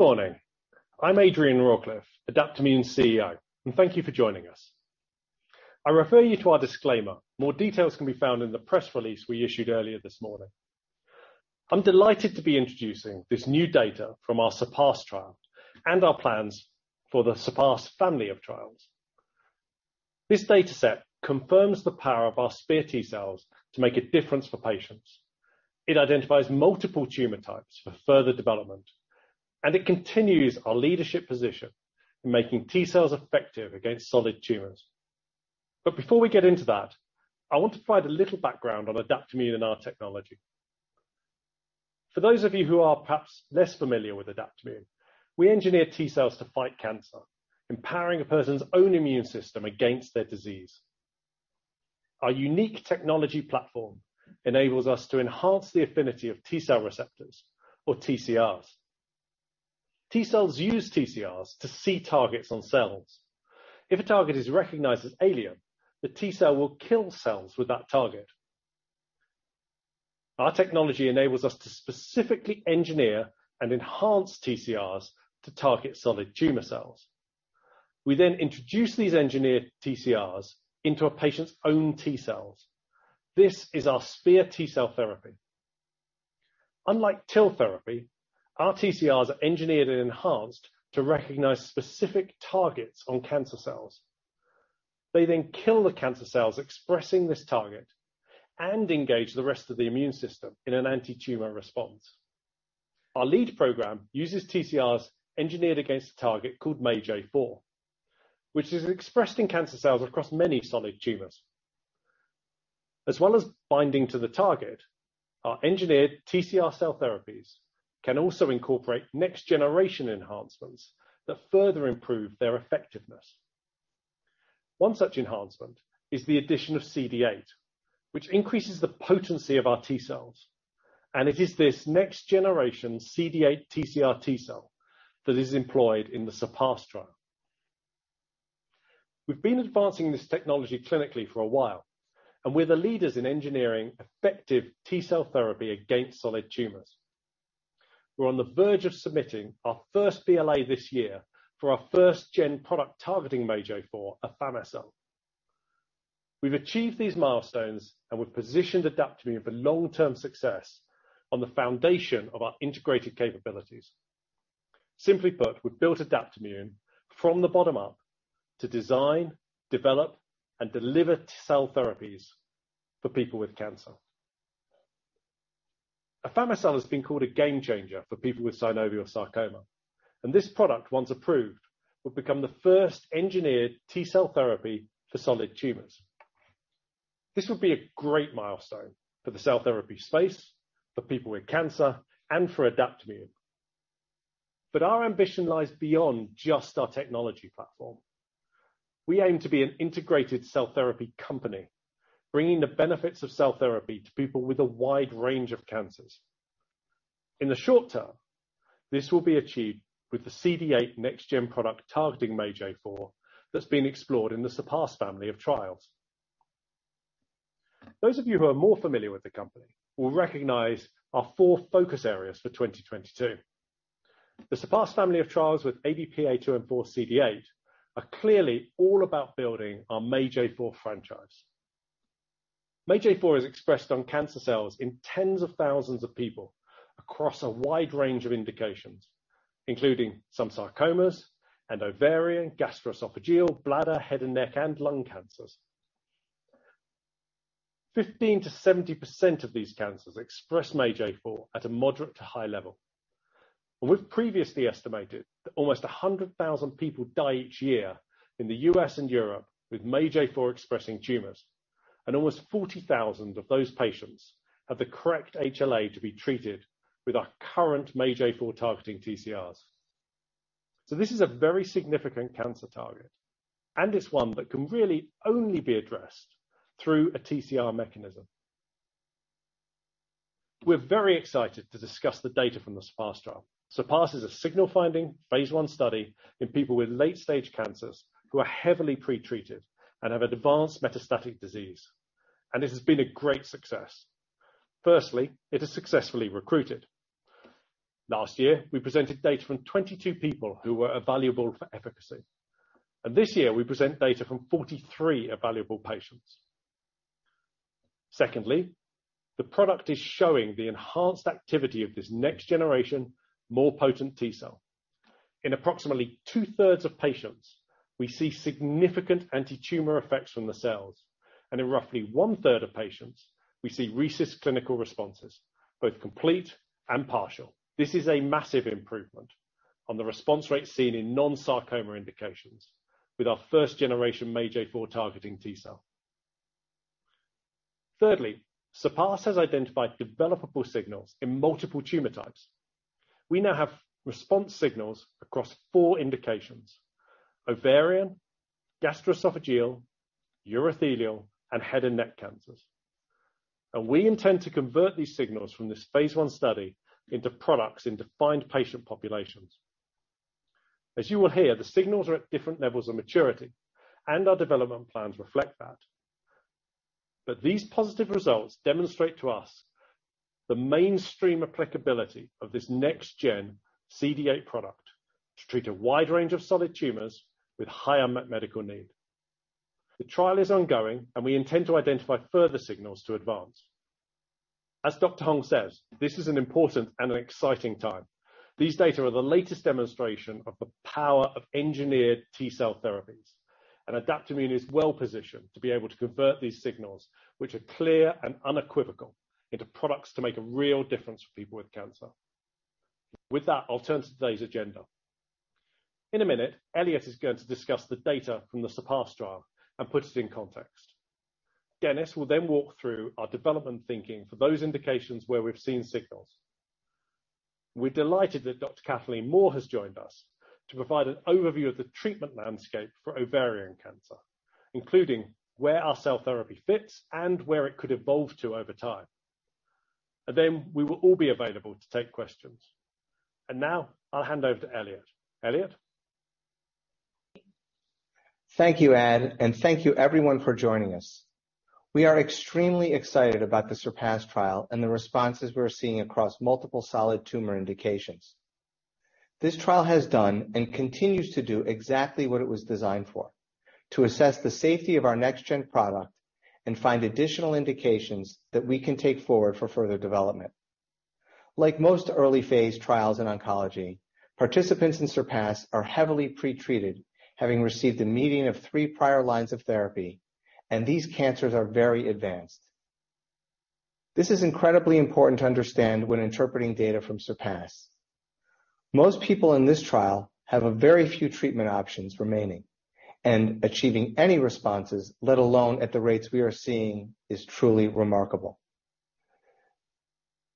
Morning. I'm Adrian Rawcliffe, Adaptimmune's CEO, and thank you for joining us. I refer you to our disclaimer. More details can be found in the press release we issued earlier this morning. I'm delighted to be introducing this new data from our SURPASS trial and our plans for the SURPASS family of trials. This data set confirms the power of our SPEAR T cells to make a difference for patients. It identifies multiple tumor types for further development, and it continues our leadership position in making T cells effective against solid tumors. Before we get into that, I want to provide a little background on Adaptimmune and our technology. For those of you who are perhaps less familiar with Adaptimmune, we engineer T cells to fight cancer, empowering a person's own immune system against their disease. Our unique technology platform enables us to enhance the affinity of T-cell receptors, or TCRs. T cells use TCRs to see targets on cells. If a target is recognized as alien, the T cell will kill cells with that target. Our technology enables us to specifically engineer and enhance TCRs to target solid tumor cells. We then introduce these engineered TCRs into a patient's own T cells. This is our SPEAR T cell therapy. Unlike TIL therapy, our TCRs are engineered and enhanced to recognize specific targets on cancer cells. They then kill the cancer cells expressing this target and engage the rest of the immune system in an antitumor response. Our lead program uses TCRs engineered against a target called MAGE-A4, which is expressed in cancer cells across many solid tumors. As well as binding to the target, our engineered TCR cell therapies can also incorporate next-generation enhancements that further improve their effectiveness. One such enhancement is the addition of CD8, which increases the potency of our T cells, and it is this next generation CD8 TCR T cell that is employed in the SURPASS trial. We've been advancing this technology clinically for a while, and we're the leaders in engineering effective T-cell therapy against solid tumors. We're on the verge of submitting our first BLA this year for our first gen product targeting MAGE-A4 afami-cel. We've achieved these milestones, and we've positioned Adaptimmune for long-term success on the foundation of our integrated capabilities. Simply put, we've built Adaptimmune from the bottom up to design, develop, and deliver T cell therapies for people with cancer. Afami-cel has been called a game changer for people with synovial sarcoma, and this product, once approved, will become the first engineered T-cell therapy for solid tumors. This would be a great milestone for the cell therapy space, for people with cancer, and for Adaptimmune. Our ambition lies beyond just our technology platform. We aim to be an integrated cell therapy company, bringing the benefits of cell therapy to people with a wide range of cancers. In the short term, this will be achieved with the CD8 next gen product targeting MAGE-A4 that's been explored in the SURPASS family of trials. Those of you who are more familiar with the company will recognize our four focus areas for 2022. The SURPASS family of trials with ADP-A2M4CD8 are clearly all about building our MAGE-A4 franchise. MAGE-A4 is expressed on cancer cells in tens of thousands of people across a wide range of indications, including some sarcomas and ovarian, gastroesophageal, bladder, head and neck, and lung cancers. 15%-70% of these cancers express MAGE-A4 at a moderate to high level. We've previously estimated that almost 100,000 people die each year in the U.S. and Europe with MAGE-A4 expressing tumors. Almost 40,000 of those patients have the correct HLA to be treated with our current MAGE-A4 targeting TCRs. This is a very significant cancer target, and it's one that can really only be addressed through a TCR mechanism. We're very excited to discuss the data from the SURPASS trial. SURPASS is a signal finding phase I study in people with late-stage cancers who are heavily pretreated and have advanced metastatic disease. This has been a great success. Firstly, it has successfully recruited. Last year, we presented data from 22 people who were evaluable for efficacy. This year, we present data from 43 evaluable patients. Secondly, the product is showing the enhanced activity of this next generation, more potent T cell. In approximately 2/3 of patients, we see significant antitumor effects from the cells, and in roughly 1/3 of patients, we see RECIST clinical responses, both complete and partial. This is a massive improvement on the response rate seen in non-sarcoma indications with our first generation MAGE-A4 targeting T cell. Thirdly, SURPASS has identified developable signals in multiple tumor types. We now have response signals across four indications: ovarian, gastroesophageal, urothelial, and head and neck cancers. We intend to convert these signals from this phase I study into products in defined patient populations. As you will hear, the signals are at different levels of maturity, and our development plans reflect that. These positive results demonstrate to us the mainstream applicability of this next gen CD8 product to treat a wide range of solid tumors with high unmet medical need. The trial is ongoing, and we intend to identify further signals to advance. As Dr. Hong says, this is an important and an exciting time. These data are the latest demonstration of the power of engineered T-cell therapies, and Adaptimmune is well-positioned to be able to convert these signals, which are clear and unequivocal, into products to make a real difference for people with cancer. With that, I'll turn to today's agenda. In a minute, Elliot is going to discuss the data from the SURPASS trial and put it in context. Dennis will then walk through our development thinking for those indications where we've seen signals. We're delighted that Dr. Kathleen Moore has joined us to provide an overview of the treatment landscape for ovarian cancer, including where our cell therapy fits and where it could evolve to over time. Then we will all be available to take questions. Now I'll hand over to Elliot. Elliot. Thank you, Ad, and thank you everyone for joining us. We are extremely excited about the SURPASS trial and the responses we're seeing across multiple solid tumor indications. This trial has done and continues to do exactly what it was designed for, to assess the safety of our next gen product and find additional indications that we can take forward for further development. Like most early phase trials in oncology, participants in SURPASS are heavily pretreated, having received a median of three prior lines of therapy, and these cancers are very advanced. This is incredibly important to understand when interpreting data from SURPASS. Most people in this trial have a very few treatment options remaining, and achieving any responses, let alone at the rates we are seeing, is truly remarkable.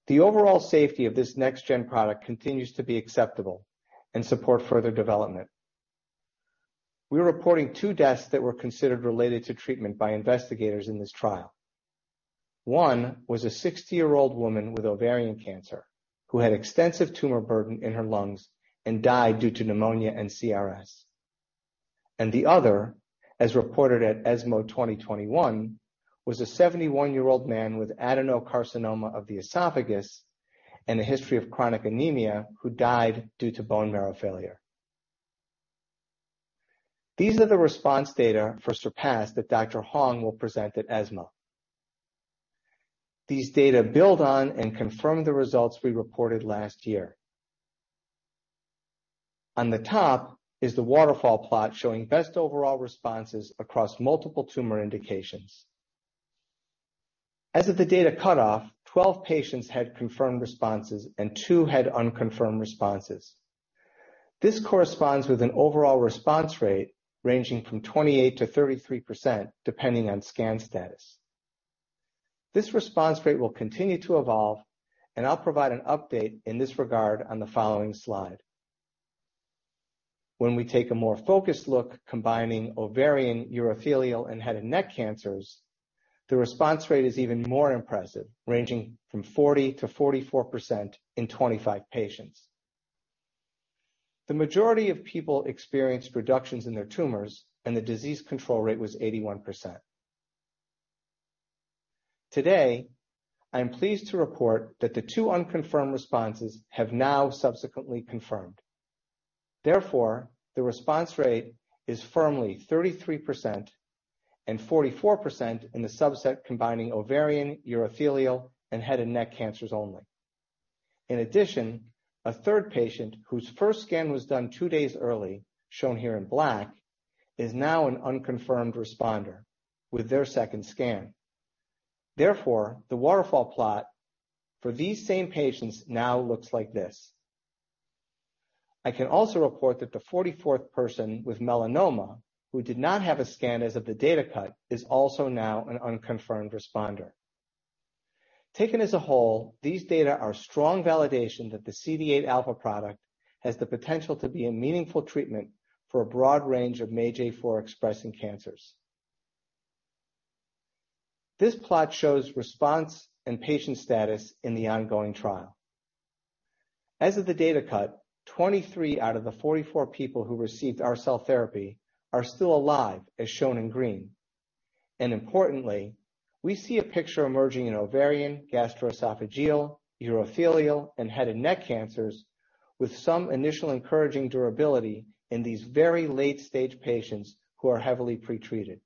The overall safety of this next gen product continues to be acceptable and support further development. We're reporting two deaths that were considered related to treatment by investigators in this trial. One was a 60-year-old woman with ovarian cancer who had extensive tumor burden in her lungs and died due to pneumonia and CRS. The other, as reported at ESMO 2021, was a 71-year-old man with adenocarcinoma of the esophagus and a history of chronic anemia who died due to bone marrow failure. These are the response data for SURPASS that Dr. Hong will present at ESMO. These data build on and confirm the results we reported last year. On the top is the waterfall plot showing best overall responses across multiple tumor indications. As of the data cutoff, 12 patients had confirmed responses and two had unconfirmed responses. This corresponds with an overall response rate ranging from 28%-33%, depending on scan status. This response rate will continue to evolve, and I'll provide an update in this regard on the following slide. When we take a more focused look combining ovarian, urothelial, and head and neck cancers, the response rate is even more impressive, ranging from 40%-44% in 25 patients. The majority of people experienced reductions in their tumors, and the disease control rate was 81%. Today, I am pleased to report that the two unconfirmed responses have now subsequently confirmed. Therefore, the response rate is firmly 33% and 44% in the subset combining ovarian, urothelial, and head and neck cancers only. In addition, a third patient whose first scan was done two days early, shown here in black, is now an unconfirmed responder with their second scan. Therefore, the waterfall plot for these same patients now looks like this.I can also report that the 44th person with melanoma who did not have a scan as of the data cut is also now an unconfirmed responder. Taken as a whole, these data are strong validation that the CD8 alpha product has the potential to be a meaningful treatment for a broad range of MAGE-A4 expressing cancers. This plot shows response and patient status in the ongoing trial. As of the data cut, 23 out of the 44 people who received our cell therapy are still alive, as shown in green. Importantly, we see a picture emerging in ovarian, gastroesophageal, urothelial, and head and neck cancers with some initial encouraging durability in these very late-stage patients who are heavily pretreated.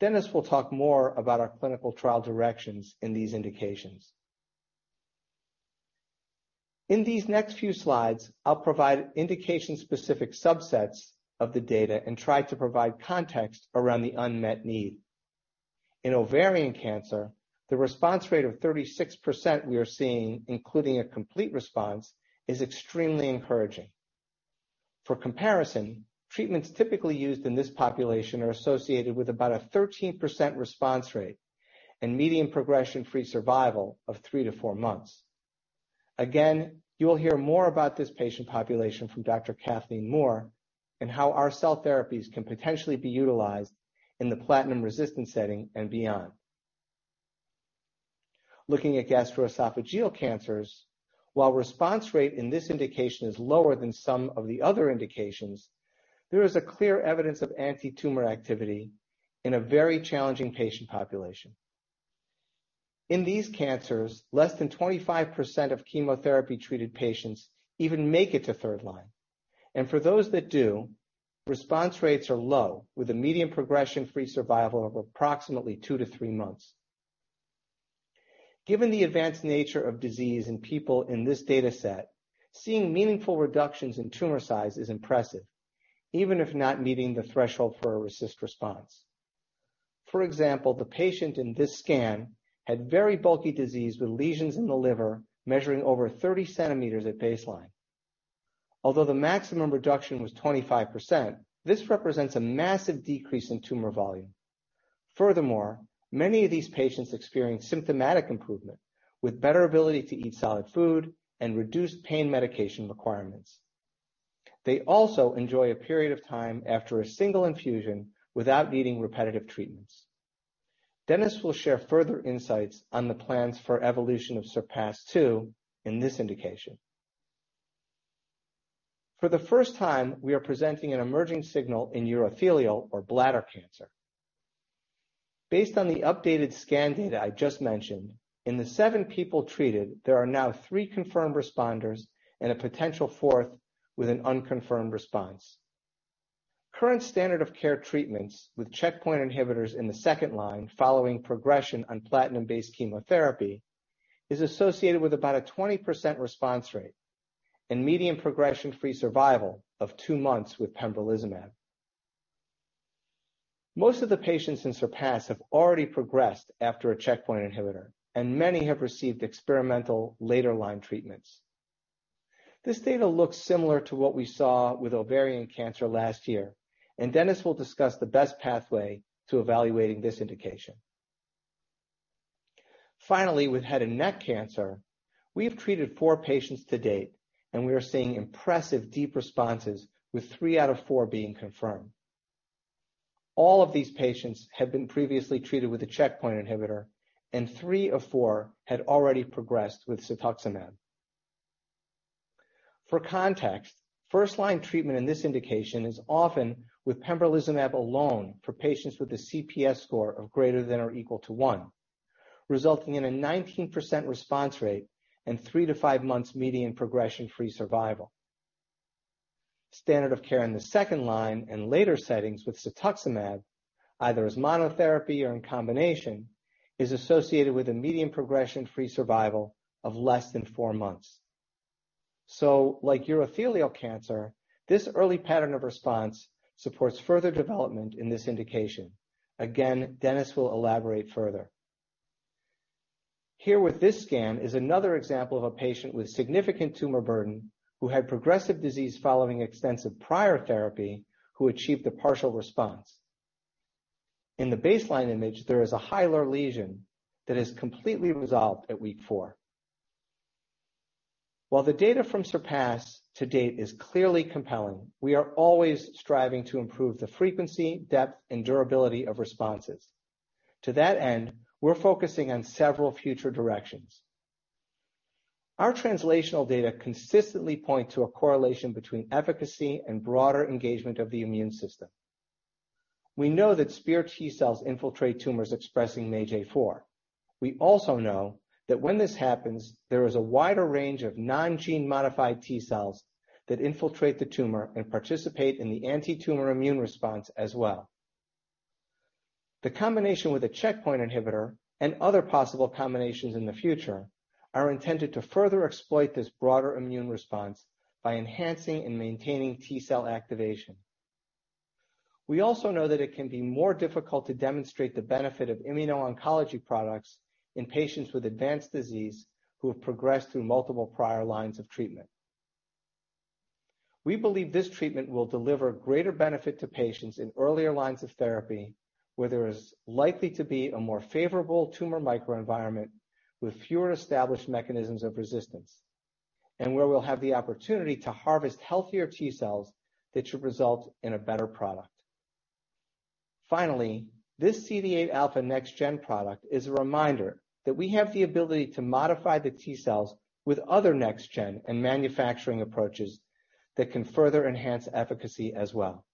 Dennis will talk more about our clinical trial directions in these indications. In these next few slides, I'll provide indication-specific subsets of the data and try to provide context around the unmet need. In ovarian cancer, the response rate of 36% we are seeing, including a complete response, is extremely encouraging. For comparison, treatments typically used in this population are associated with about a 13% response rate and median progression-free survival of 3-4 months. Again, you will hear more about this patient population from Dr. Kathleen Moore and how our cell therapies can potentially be utilized in the platinum-resistant setting and beyond. Looking at gastroesophageal cancers, while response rate in this indication is lower than some of the other indications, there is a clear evidence of antitumor activity in a very challenging patient population. In these cancers, less than 25% of chemotherapy-treated patients even make it to third line. For those that do, response rates are low, with a median progression-free survival of approximately 2-3 months. Given the advanced nature of disease in people in this data set, seeing meaningful reductions in tumor size is impressive, even if not meeting the threshold for a RECIST response. For example, the patient in this scan had very bulky disease with lesions in the liver measuring over 30 centimeters at baseline. Although the maximum reduction was 25%, this represents a massive decrease in tumor volume. Furthermore, many of these patients experience symptomatic improvement with better ability to eat solid food and reduced pain medication requirements. They also enjoy a period of time after a single infusion without needing repetitive treatments. Dennis will share further insights on the plans for evolution of SURPASS-2 in this indication. For the first time, we are presenting an emerging signal in urothelial or bladder cancer. Based on the updated scan data I just mentioned, in the seven people treated, there are now three confirmed responders and a potential fourth with an unconfirmed response. Current standard of care treatments with checkpoint inhibitors in the second line following progression on platinum-based chemotherapy is associated with about a 20% response rate and median progression-free survival of two months with pembrolizumab. Most of the patients in SURPASS have already progressed after a checkpoint inhibitor, and many have received experimental later line treatments. This data looks similar to what we saw with ovarian cancer last year, and Dennis will discuss the best pathway to evaluating this indication. Finally, with head and neck cancer, we have treated four patients to date, and we are seeing impressive deep responses with three out of four being confirmed. All of these patients had been previously treated with a checkpoint inhibitor, and three of four had already progressed with cetuximab. For context, first-line treatment in this indication is often with pembrolizumab alone for patients with a CPS score of greater than or equal to one, resulting in a 19% response rate and 3-5 months median progression-free survival. Standard of care in the second line and later settings with cetuximab, either as monotherapy or in combination, is associated with a median progression-free survival of less than four months. Like urothelial cancer, this early pattern of response supports further development in this indication. Again, Dennis will elaborate further. Here with this scan is another example of a patient with significant tumor burden who had progressive disease following extensive prior therapy who achieved a partial response. In the baseline image, there is a hilar lesion that is completely resolved at week four. While the data from SURPASS to date is clearly compelling, we are always striving to improve the frequency, depth, and durability of responses. To that end, we're focusing on several future directions. Our translational data consistently point to a correlation between efficacy and broader engagement of the immune system. We know that SPEAR T-cells infiltrate tumors expressing MAGE-A4. We also know that when this happens, there is a wider range of non-gene modified T-cells that infiltrate the tumor and participate in the antitumor immune response as well. The combination with a checkpoint inhibitor and other possible combinations in the future are intended to further exploit this broader immune response by enhancing and maintaining T-cell activation. We also know that it can be more difficult to demonstrate the benefit of immuno-oncology products in patients with advanced disease who have progressed through multiple prior lines of treatment. We believe this treatment will deliver greater benefit to patients in earlier lines of therapy, where there is likely to be a more favorable tumor microenvironment with fewer established mechanisms of resistance, and where we'll have the opportunity to harvest healthier T-cells that should result in a better product. Finally, this CD8 alpha next gen product is a reminder that we have the ability to modify the T-cells with other next gen and manufacturing approaches that can further enhance efficacy as well.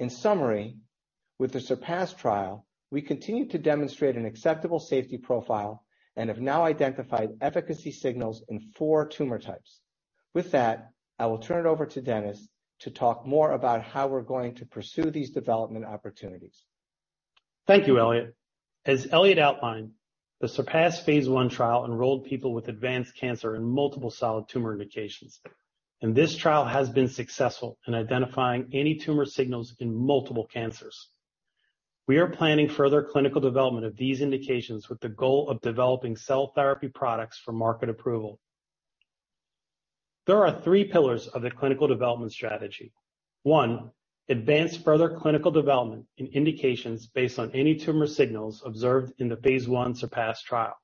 In summary, with the SURPASS trial, we continue to demonstrate an acceptable safety profile and have now identified efficacy signals in four tumor types. With that, I will turn it over to Dennis to talk more about how we're going to pursue these development opportunities. Thank you, Elliot. As Elliot outlined, the SURPASS phase I trial enrolled people with advanced cancer in multiple solid tumor indications, and this trial has been successful in identifying any tumor signals in multiple cancers. We are planning further clinical development of these indications with the goal of developing cell therapy products for market approval. There are three pillars of the clinical development strategy. One, advance further clinical development in indications based on any tumor signals observed in the phase I SURPASS trial.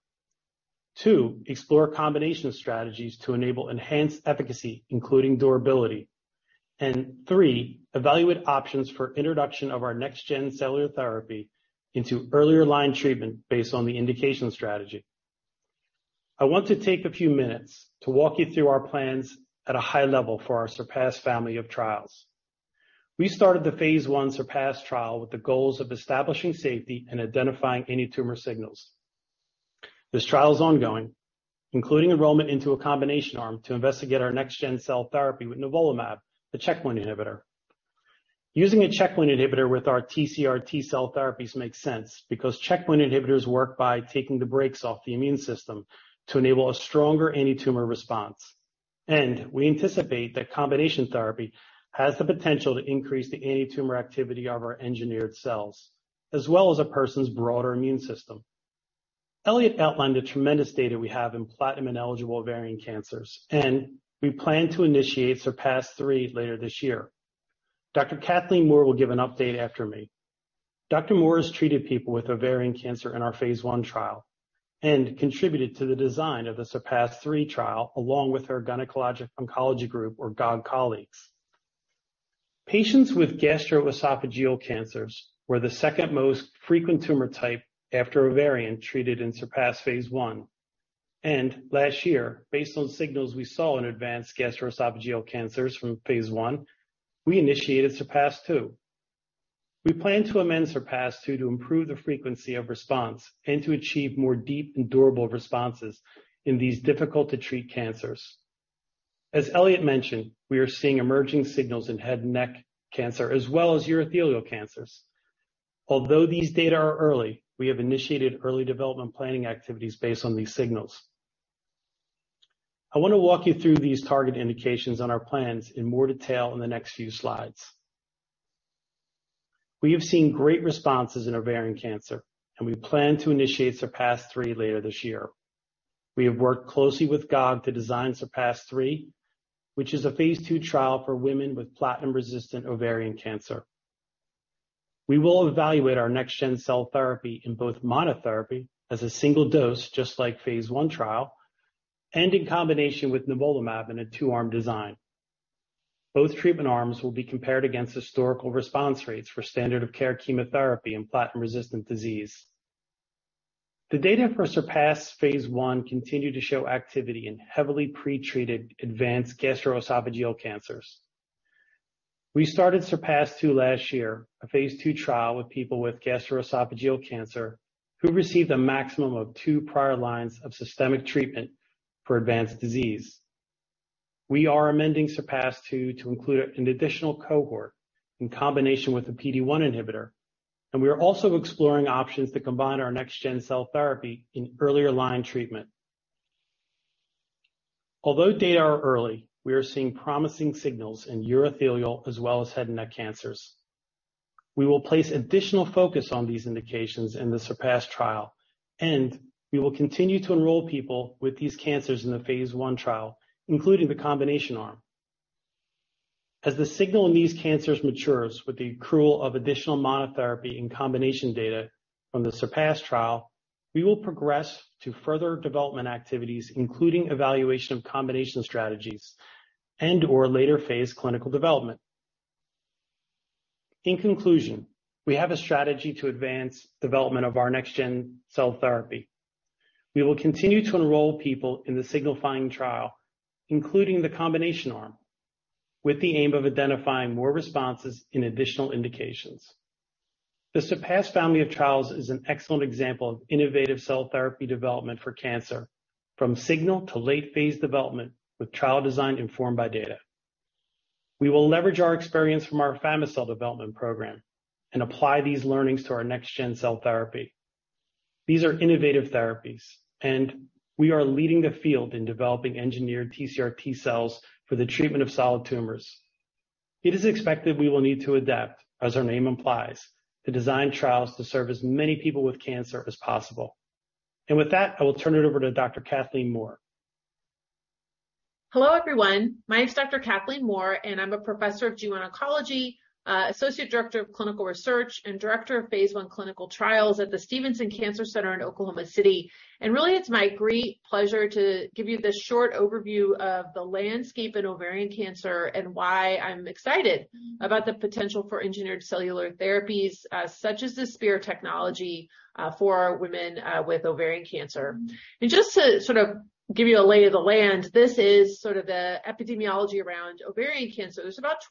Two, explore combination strategies to enable enhanced efficacy, including durability. Three, evaluate options for introduction of our next-gen cellular therapy into earlier line treatment based on the indication strategy. I want to take a few minutes to walk you through our plans at a high level for our SURPASS family of trials. We started the phase I SURPASS trial with the goals of establishing safety and identifying any tumor signals. This trial is ongoing, including enrollment into a combination arm to investigate our next gen cell therapy with nivolumab, the checkpoint inhibitor. Using a checkpoint inhibitor with our TCR T-cell therapies makes sense because checkpoint inhibitors work by taking the brakes off the immune system to enable a stronger anti-tumor response. We anticipate that combination therapy has the potential to increase the anti-tumor activity of our engineered cells, as well as a person's broader immune system. Elliot outlined the tremendous data we have in platinum-eligible ovarian cancers, and we plan to initiate SURPASS-3 later this year. Dr. Kathleen Moore will give an update after me. Dr. Moore has treated people with ovarian cancer in our phase I trial and contributed to the design of the SURPASS-3 trial along with her Gynecologic Oncology Group, or GOG colleagues. Patients with gastroesophageal cancers were the second most frequent tumor type after ovarian treated in SURPASS phase I. Last year, based on signals we saw in advanced gastroesophageal cancers from phase I, we initiated SURPASS-2. We plan to amend SURPASS-2 to improve the frequency of response and to achieve more deep and durable responses in these difficult to treat cancers. As Elliot mentioned, we are seeing emerging signals in head and neck cancer as well as urothelial cancers. Although these data are early, we have initiated early development planning activities based on these signals. I want to walk you through these target indications on our plans in more detail in the next few slides. We have seen great responses in ovarian cancer, and we plan to initiate SURPASS-3 later this year. We have worked closely with GOG to design SURPASS-3, which is a phase II trial for women with platinum-resistant ovarian cancer. We will evaluate our next gen cell therapy in both monotherapy as a single dose, just like phase I trial, and in combination with nivolumab in a two-arm design. Both treatment arms will be compared against historical response rates for standard of care chemotherapy in platinum-resistant disease. The data for SURPASS phase I continued to show activity in heavily pretreated advanced gastroesophageal cancers. We started SURPASS-2 last year, a phase II trial with people with gastroesophageal cancer who received a maximum of two prior lines of systemic treatment for advanced disease. We are amending SURPASS-2 to include an additional cohort in combination with a PD-1 inhibitor, and we are also exploring options to combine our next gen cell therapy in earlier line treatment. Although data are early, we are seeing promising signals in urothelial as well as head and neck cancers. We will place additional focus on these indications in the SURPASS trial, and we will continue to enroll people with these cancers in the phase I trial, including the combination arm. As the signal in these cancers matures with the accrual of additional monotherapy in combination data from the SURPASS trial, we will progress to further development activities, including evaluation of combination strategies and/or later-phase clinical development. In conclusion, we have a strategy to advance development of our next gen cell therapy. We will continue to enroll people in the signal finding trial, including the combination arm, with the aim of identifying more responses in additional indications. The SURPASS family of trials is an excellent example of innovative cell therapy development for cancer from signal to late phase development with trial design informed by data. We will leverage our experience from our afami-cel development program and apply these learnings to our next gen cell therapy. These are innovative therapies, and we are leading the field in developing engineered TCR T-cells for the treatment of solid tumors. It is expected we will need to adapt, as our name implies, to design trials to serve as many people with cancer as possible. With that, I will turn it over to Dr. Kathleen Moore. Hello, everyone. My name is Dr. Kathleen Moore, and I'm a professor of Gyn Oncology, Associate Director of Clinical Research and Director of phase I Clinical Trials at the Stephenson Cancer Center in Oklahoma City. Really, it's my great pleasure to give you this short overview of the landscape in ovarian cancer and why I'm excited about the potential for engineered cellular therapies, such as the SPEAR technology, for women with ovarian cancer. Just to sort of give you a lay of the land, this is sort of the epidemiology around ovarian cancer. There's about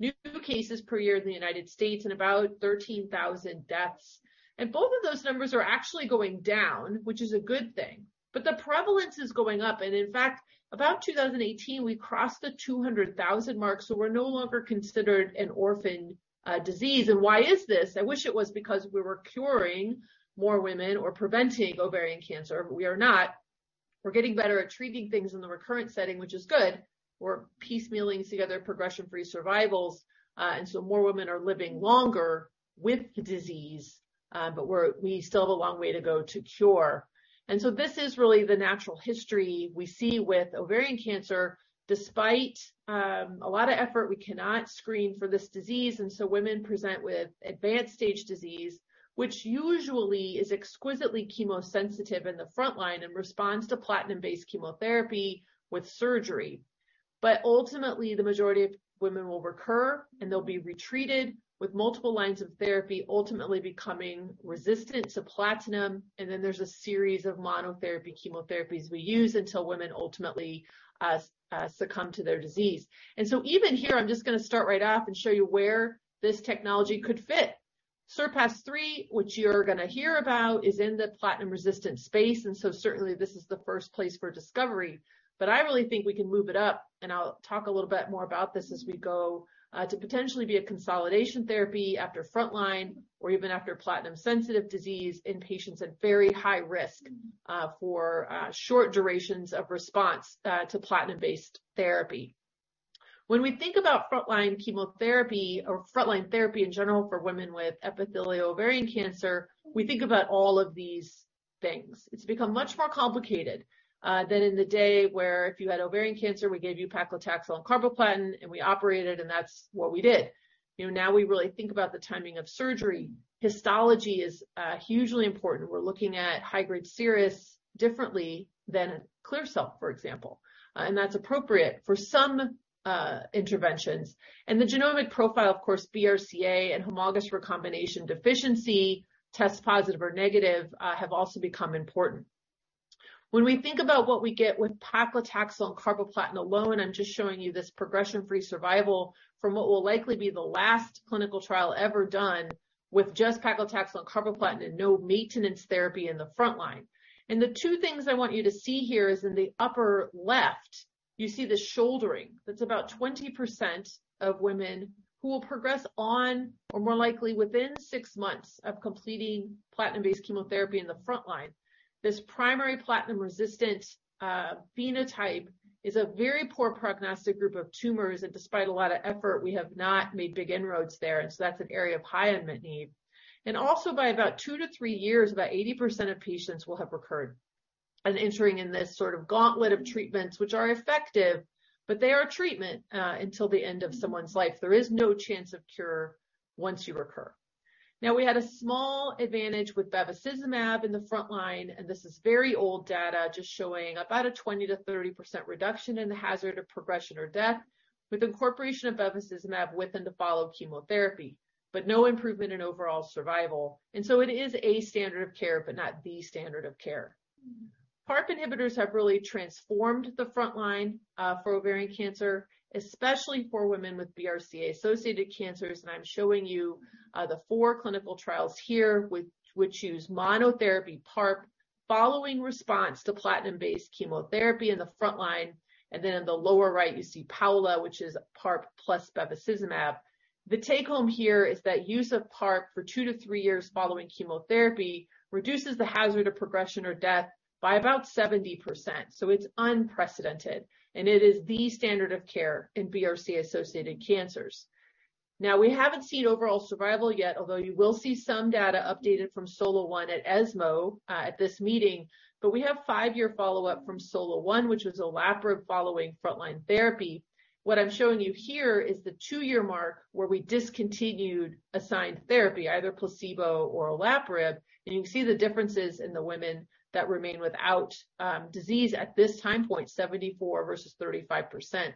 20,000 new cases per year in the United States and about 13,000 deaths. Both of those numbers are actually going down, which is a good thing. The prevalence is going up. In fact, about 2018, we crossed the 200,000 mark, so we're no longer considered an orphan disease. Why is this? I wish it was because we were curing more women or preventing ovarian cancer, but we are not. We're getting better at treating things in the recurrent setting, which is good. We're piecemealing together progression-free survivals, and so more women are living longer with the disease, but we still have a long way to go to cure. This is really the natural history we see with ovarian cancer. Despite a lot of effort, we cannot screen for this disease. Women present with advanced stage disease, which usually is exquisitely chemosensitive in the frontline and responds to platinum-based chemotherapy with surgery. Ultimately, the majority of women will recur, and they'll be retreated with multiple lines of therapy, ultimately becoming resistant to platinum. Then there's a series of monotherapy chemotherapies we use until women ultimately succumb to their disease. Even here, I'm just gonna start right off and show you where this technology could fit. SURPASS-3, which you're gonna hear about, is in the platinum-resistant space, and so certainly, this is the first place for discovery. I really think we can move it up, and I'll talk a little bit more about this as we go, to potentially be a consolidation therapy after frontline or even after platinum-sensitive disease in patients at very high risk, for short durations of response, to platinum-based therapy. When we think about frontline chemotherapy or frontline therapy in general for women with epithelial ovarian cancer, we think about all of these things. It's become much more complicated, than in the day where if you had ovarian cancer, we gave you paclitaxel and carboplatin, and we operated, and that's what we did. You know, now we really think about the timing of surgery. Histology is hugely important. We're looking at high-grade serous differently than clear cell, for example. That's appropriate for some interventions. The genomic profile, of course, BRCA and homologous recombination deficiency, test positive or negative, have also become important. When we think about what we get with paclitaxel and carboplatin alone, I'm just showing you this progression-free survival from what will likely be the last clinical trial ever done with just paclitaxel and carboplatin and no maintenance therapy in the frontline. The two things I want you to see here is in the upper left, you see the shouldering. That's about 20% of women who will progress on, or more likely within six months of completing platinum-based chemotherapy in the frontline. This primary platinum-resistant, phenotype is a very poor prognostic group of tumors that despite a lot of effort, we have not made big inroads there. That's an area of high unmet need. By about 2-3 years, about 80% of patients will have recurred and entering in this sort of gauntlet of treatments which are effective, but they are treatment, until the end of someone's life. There is no chance of cure once you recur. Now, we had a small advantage with bevacizumab in the frontline, and this is very old data just showing about a 20%-30% reduction in the hazard of progression or death with incorporation of bevacizumab within the follow chemotherapy, but no improvement in overall survival. It is a standard of care, but not the standard of care. PARP inhibitors have really transformed the frontline for ovarian cancer, especially for women with BRCA-associated cancers. I'm showing you the four clinical trials here which use monotherapy PARP following response to platinum-based chemotherapy in the frontline. Then in the lower right, you see PAOLA-1, which is PARP plus bevacizumab. The take-home here is that use of PARP for 2-3 years following chemotherapy reduces the hazard of progression or death by about 70%, so it's unprecedented. It is the standard of care in BRCA-associated cancers. Now, we haven't seen overall survival yet, although you will see some data updated from SOLO-1 at ESMO at this meeting. We have five-year follow-up from SOLO-1, which was olaparib following frontline therapy. What I'm showing you here is the two-year mark where we discontinued assigned therapy, either placebo or olaparib. You can see the differences in the women that remain without disease at this time point, 74% versus 35%.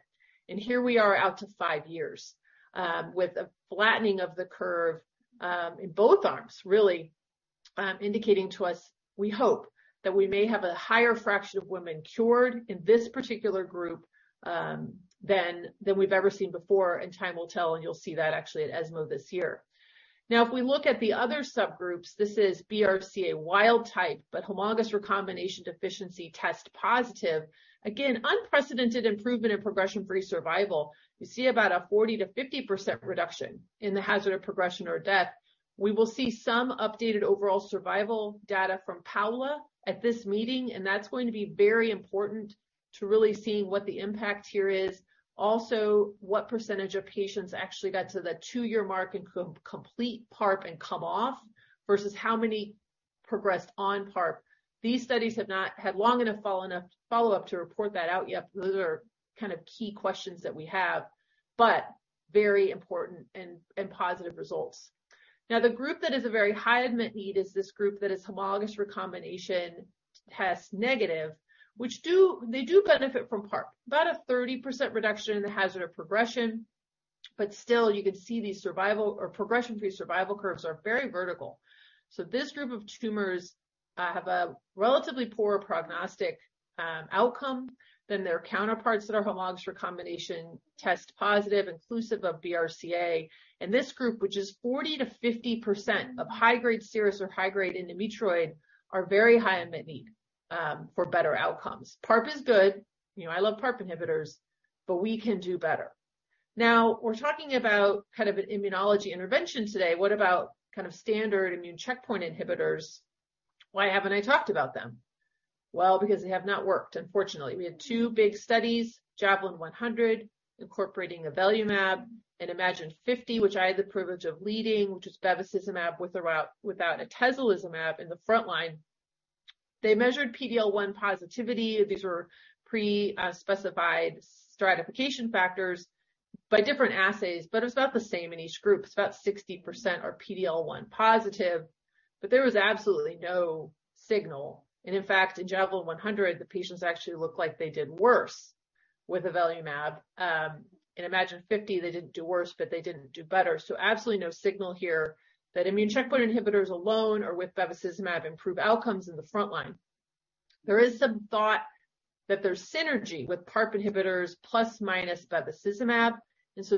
Here we are out to five years, with a flattening of the curve, in both arms, really, indicating to us, we hope, that we may have a higher fraction of women cured in this particular group, than we've ever seen before. Time will tell, and you'll see that actually at ESMO this year. Now, if we look at the other subgroups, this is BRCA wild type, but homologous recombination deficiency test positive. Again, unprecedented improvement in progression-free survival. You see about a 40%-50% reduction in the hazard of progression or death. We will see some updated overall survival data from PAOLA at this meeting, and that's going to be very important to really seeing what the impact here is. What percentage of patients actually got to the two-year mark and complete PARP and come off versus how many progressed on PARP. These studies have not had long enough follow-up to report that out yet. Those are kind of key questions that we have, but very important and positive results. Now, the group that is a very high unmet need is this group that is homologous recombination test negative, which they do benefit from PARP. About a 30% reduction in the hazard of progression. But still, you can see these survival or progression-free survival curves are very vertical. So this group of tumors have a relatively poor prognostic outcome than their counterparts that are homologous recombination test positive, inclusive of BRCA. This group, which is 40%-50% of high-grade serous or high-grade endometrioid, are very high unmet need for better outcomes. PARP is good. You know, I love PARP inhibitors, but we can do better. Now, we're talking about kind of an immunology intervention today. What about kind of standard immune checkpoint inhibitors? Why haven't I talked about them? Well, because they have not worked, unfortunately. We had two big studies, JAVELIN 100, incorporating avelumab, and IMagyn050, which I had the privilege of leading, which is bevacizumab with or without atezolizumab in the frontline. They measured PD-L1 positivity. These were pre-specified stratification factors by different assays, but it's about the same in each group. It's about 60% are PD-L1 positive, but there was absolutely no signal. In fact, in JAVELIN 100, the patients actually looked like they did worse with avelumab. In IMagyn050, they didn't do worse, but they didn't do better. Absolutely no signal here that immune checkpoint inhibitors alone or with bevacizumab improve outcomes in the frontline. There is some thought that there's synergy with PARP inhibitors plus minus bevacizumab.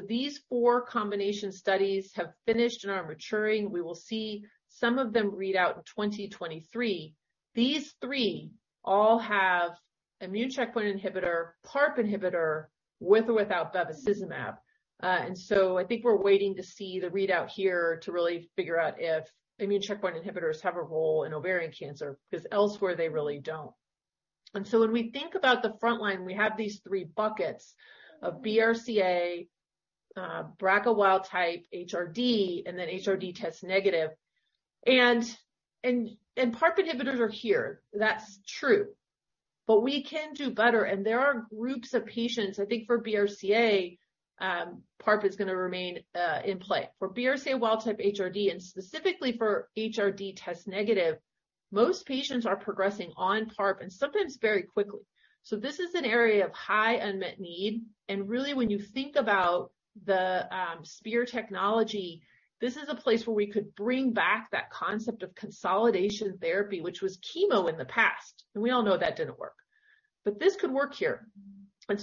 These four combination studies have finished and are maturing. We will see some of them read out in 2023. These three all have immune checkpoint inhibitor, PARP inhibitor with or without bevacizumab. I think we're waiting to see the readout here to really figure out if immune checkpoint inhibitors have a role in ovarian cancer, 'cause elsewhere, they really don't. When we think about the frontline, we have these three buckets of BRCA wild type, HRD, and then HRD test negative. PARP inhibitors are here. That's true. We can do better, and there are groups of patients. I think for BRCA, PARP is gonna remain in play. For BRCA wild type HRD, and specifically for HRD test negative, most patients are progressing on PARP and sometimes very quickly. This is an area of high unmet need. Really, when you think about the SPEAR technology, this is a place where we could bring back that concept of consolidation therapy, which was chemo in the past. We all know that didn't work. This could work here.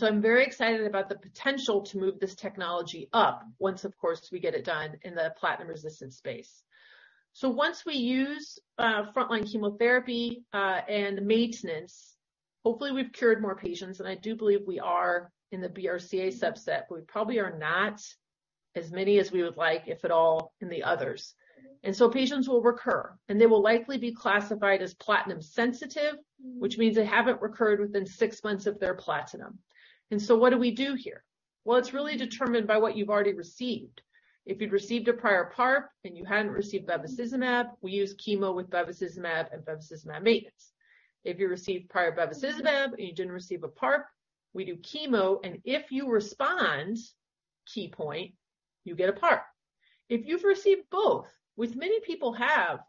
I'm very excited about the potential to move this technology up once, of course, we get it done in the platinum resistance space. Once we use frontline chemotherapy and maintenance, hopefully we've cured more patients, and I do believe we are in the BRCA subset, but we probably are not as many as we would like, if at all, in the others. Patients will recur, and they will likely be classified as platinum-sensitive. Mm-hmm. Which means they haven't recurred within six months of their platinum. What do we do here? Well, it's really determined by what you've already received. If you'd received a prior PARP and you hadn't received bevacizumab, we use chemo with bevacizumab and bevacizumab maintenance. If you received prior bevacizumab and you didn't receive a PARP, we do chemo, and if you respond, key point, you get a PARP. If you've received both, which many people have,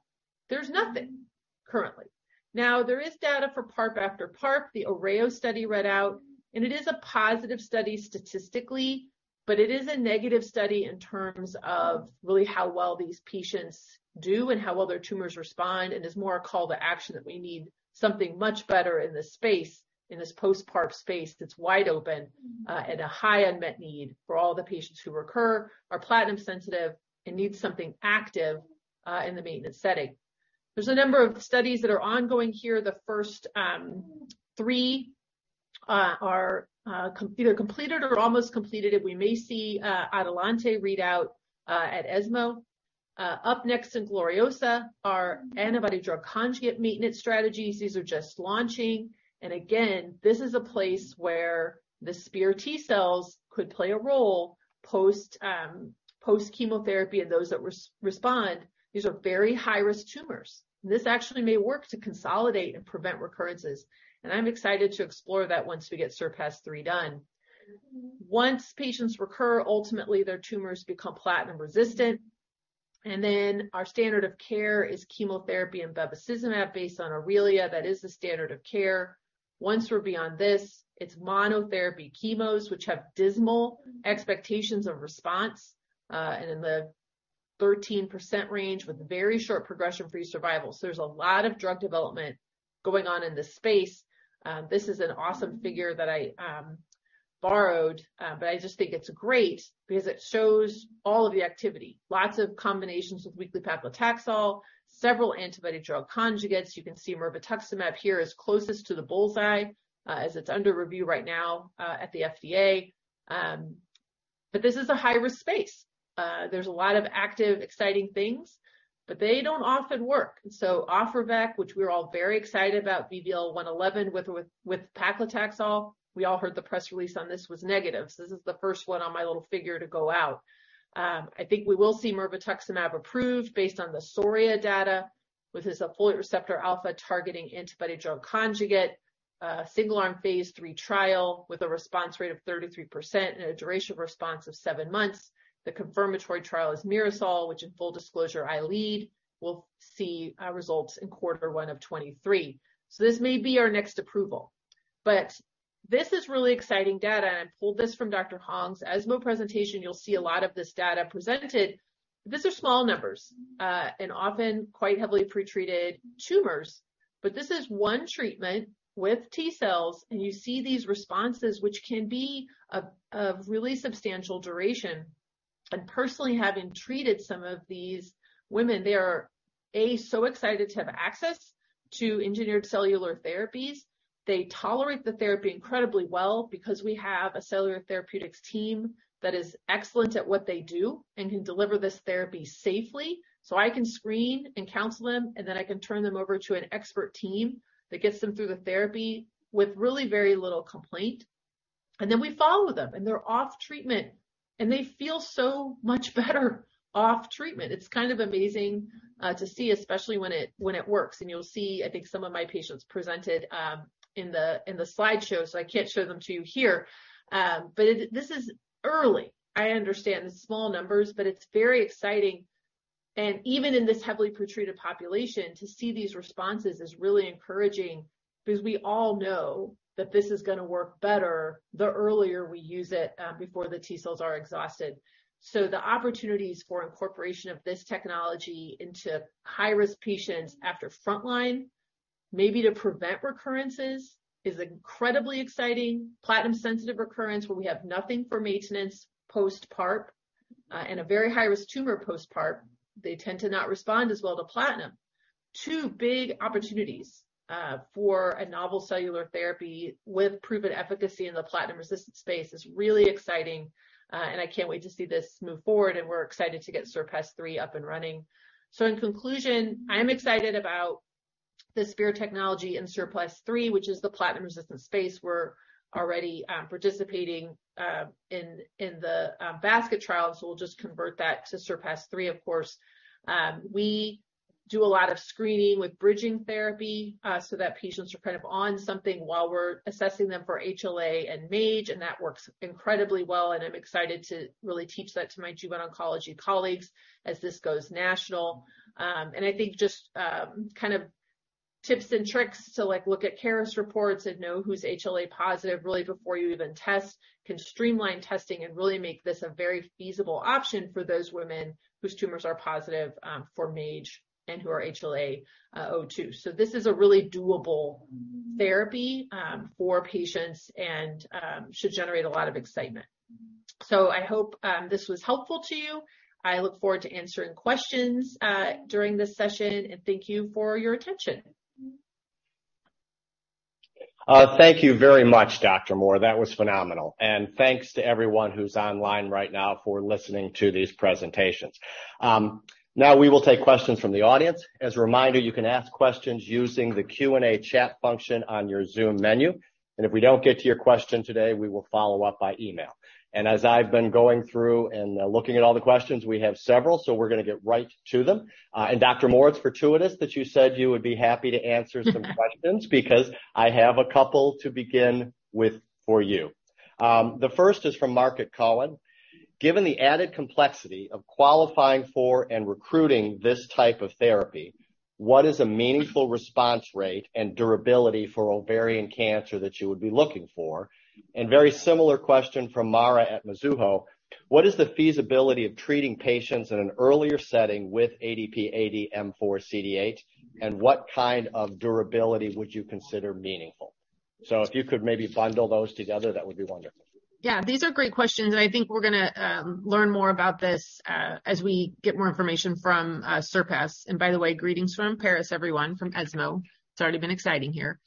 there's nothing currently. Now, there is data for PARP after PARP, the OReO study read out, and it is a positive study statistically, but it is a negative study in terms of really how well these patients do and how well their tumors respond, and is more a call to action that we need something much better in this space, in this post-PARP space that's wide open. Mm-hmm. At a high unmet need for all the patients who recur, are platinum sensitive, and need something active in the maintenance setting. There's a number of studies that are ongoing here. The first three are either completed or almost completed, and we may see Adelante readout at ESMO. Up next in GLORIOSA are antibody drug conjugate maintenance strategies. These are just launching. Again, this is a place where the SPEAR T-cells could play a role post-chemotherapy of those that respond. These are very high-risk tumors. This actually may work to consolidate and prevent recurrences. I'm excited to explore that once we get SURPASS-3 done. Once patients recur, ultimately, their tumors become platinum resistant. Then our standard of care is chemotherapy and bevacizumab based on AURELIA. That is the standard of care. Once we're beyond this, it's monotherapy chemos, which have dismal expectations of response, and in the 13% range with very short progression-free survival. There's a lot of drug development going on in this space. This is an awesome figure that I borrowed, but I just think it's great because it shows all of the activity. Lots of combinations with weekly paclitaxel, several antibody drug conjugates. You can see mirvetuximab here is closest to the bullseye, as it's under review right now, at the FDA. This is a high-risk space. There's a lot of active, exciting things, but they don't often work. VB-111, which we're all very excited about, with paclitaxel. We all heard the press release on this was negative. This is the first one on my little figure to go out. I think we will see mirvetuximab approved based on the SORAYA trial data, which is a folate receptor alpha-targeting antibody drug conjugate, single-arm phase III trial with a response rate of 33% and a duration of response of seven months. The confirmatory trial is MIRASOL, which in full disclosure, I lead. We'll see results in quarter one of 2023. This may be our next approval. This is really exciting data, and I pulled this from Dr. Hong's ESMO presentation. You'll see a lot of this data presented. These are small numbers, and often quite heavily pretreated tumors. This is one treatment with T-cells, and you see these responses, which can be of really substantial duration. Personally, having treated some of these women, they are so excited to have access to engineered cellular therapies. They tolerate the therapy incredibly well because we have a cellular therapeutics team that is excellent at what they do and can deliver this therapy safely. I can screen and counsel them, and then I can turn them over to an expert team that gets them through the therapy with really very little complaint. We follow them, and they're off treatment, and they feel so much better off treatment. It's kind of amazing to see, especially when it works. You'll see, I think, some of my patients presented in the slideshow, so I can't show them to you here. But this is earlyI understand the small numbers, but it's very exciting. Even in this heavily pretreated population, to see these responses is really encouraging because we all know that this is going to work better the earlier we use it, before the T cells are exhausted. The opportunities for incorporation of this technology into high-risk patients after frontline, maybe to prevent recurrences, is incredibly exciting. Platinum-sensitive recurrence, where we have nothing for maintenance post-PARP, and a very high-risk tumor post-PARP, they tend to not respond as well to platinum. Two big opportunities, for a novel cellular therapy with proven efficacy in the platinum-resistant space is really exciting, and I can't wait to see this move forward, and we're excited to get SURPASS-3 up and running. In conclusion, I'm excited about the SPEAR technology in SURPASS-3, which is the platinum-resistant space. We're already participating in the basket trial, so we'll just convert that to SURPASS-3, of course. We do a lot of screening with bridging therapy, so that patients are kind of on something while we're assessing them for HLA and MAGE, and that works incredibly well, and I'm excited to really teach that to my gynecologic oncology colleagues as this goes national. I think just kind of tips and tricks to, like, look at Caris reports and know who's HLA positive really before you even test can streamline testing and really make this a very feasible option for those women whose tumors are positive for MAGE and who are HLA-A*02. This is a really doable therapy for patients and should generate a lot of excitement. I hope this was helpful to you. I look forward to answering questions, during this session, and thank you for your attention. Thank you very much, Dr. Moore. That was phenomenal. Thanks to everyone who's online right now for listening to these presentations. Now we will take questions from the audience. As a reminder, you can ask questions using the Q&A chat function on your Zoom menu. If we don't get to your question today, we will follow up by email. As I've been going through and looking at all the questions, we have several, so we're going to get right to them. Dr. Moore, it's fortuitous that you said you would be happy to answer some questions because I have a couple to begin with for you. The first is from Marc Frahm at Cowen. Given the added complexity of qualifying for and recruiting this type of therapy, what is a meaningful response rate and durability for ovarian cancer that you would be looking for? Very similar question from Mara at Mizuho. What is the feasibility of treating patients in an earlier setting with ADP-A2M4CD8, and what kind of durability would you consider meaningful? If you could maybe bundle those together, that would be wonderful. Yeah, these are great questions, and I think we're gonna learn more about this as we get more information from SURPASS. By the way, greetings from Paris, everyone, from ESMO. It's already been exciting here.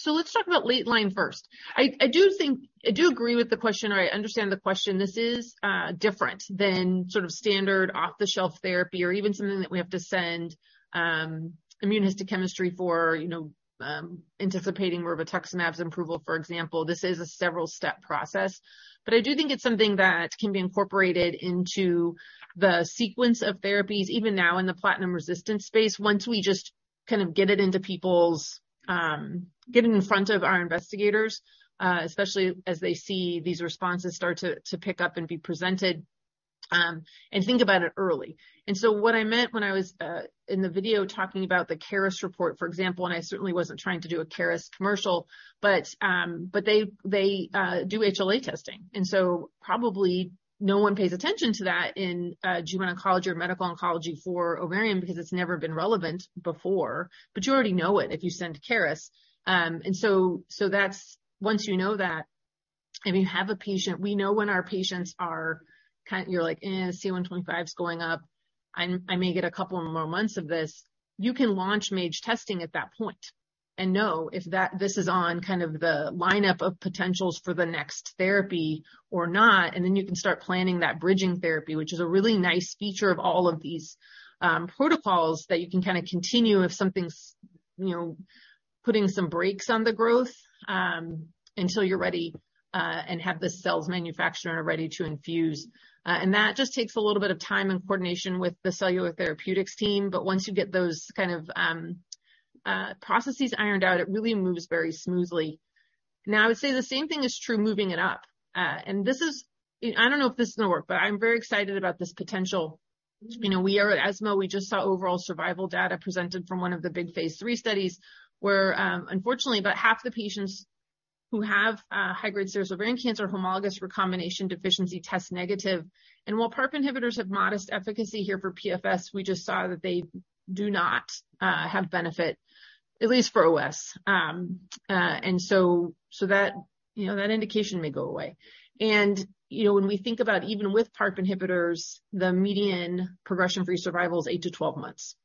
So let's talk about late line first. I do think I do agree with the question, or I understand the question. This is different than sort of standard off-the-shelf therapy or even something that we have to send immunohistochemistry for, you know, anticipating mirvetuximab's approval, for example. This is a several-step process. I do think it's something that can be incorporated into the sequence of therapies, even now in the platinum-resistant space. Once we just kind of get it in front of our investigators, especially as they see these responses start to pick up and be presented, and think about it early. What I meant when I was in the video talking about the Caris report, for example, and I certainly wasn't trying to do a Caris commercial, but they do HLA testing. Probably no one pays attention to that in gynecologic oncology or medical oncology for ovarian because it's never been relevant before. You already know it if you send Caris. Once you know that, if you have a patient, you're like, eh, CA-125's going up. I may get a couple of more months of this. You can launch MAGE testing at that point and know if this is on kind of the lineup of potentials for the next therapy or not. You can start planning that bridging therapy, which is a really nice feature of all of these, protocols that you can kind of continue if something's, you know, putting some brakes on the growth, until you're ready, and have the cells manufactured and are ready to infuse. That just takes a little bit of time and coordination with the cellular therapeutics team, but once you get those kind of, processes ironed out, it really moves very smoothly. Now, I would say the same thing is true moving it up. This is. I don't know if this is going to work, but I'm very excited about this potential. You know, we are at ESMO. We just saw overall survival data presented from one of the big phase III studies where, unfortunately, about half the patients who have high-grade serous ovarian cancer homologous recombination deficiency test negative. While PARP inhibitors have modest efficacy here for PFS, we just saw that they do not have benefit, at least for OS. That indication may go away. You know, when we think about even with PARP inhibitors, the median progression-free survival is 8-12 months.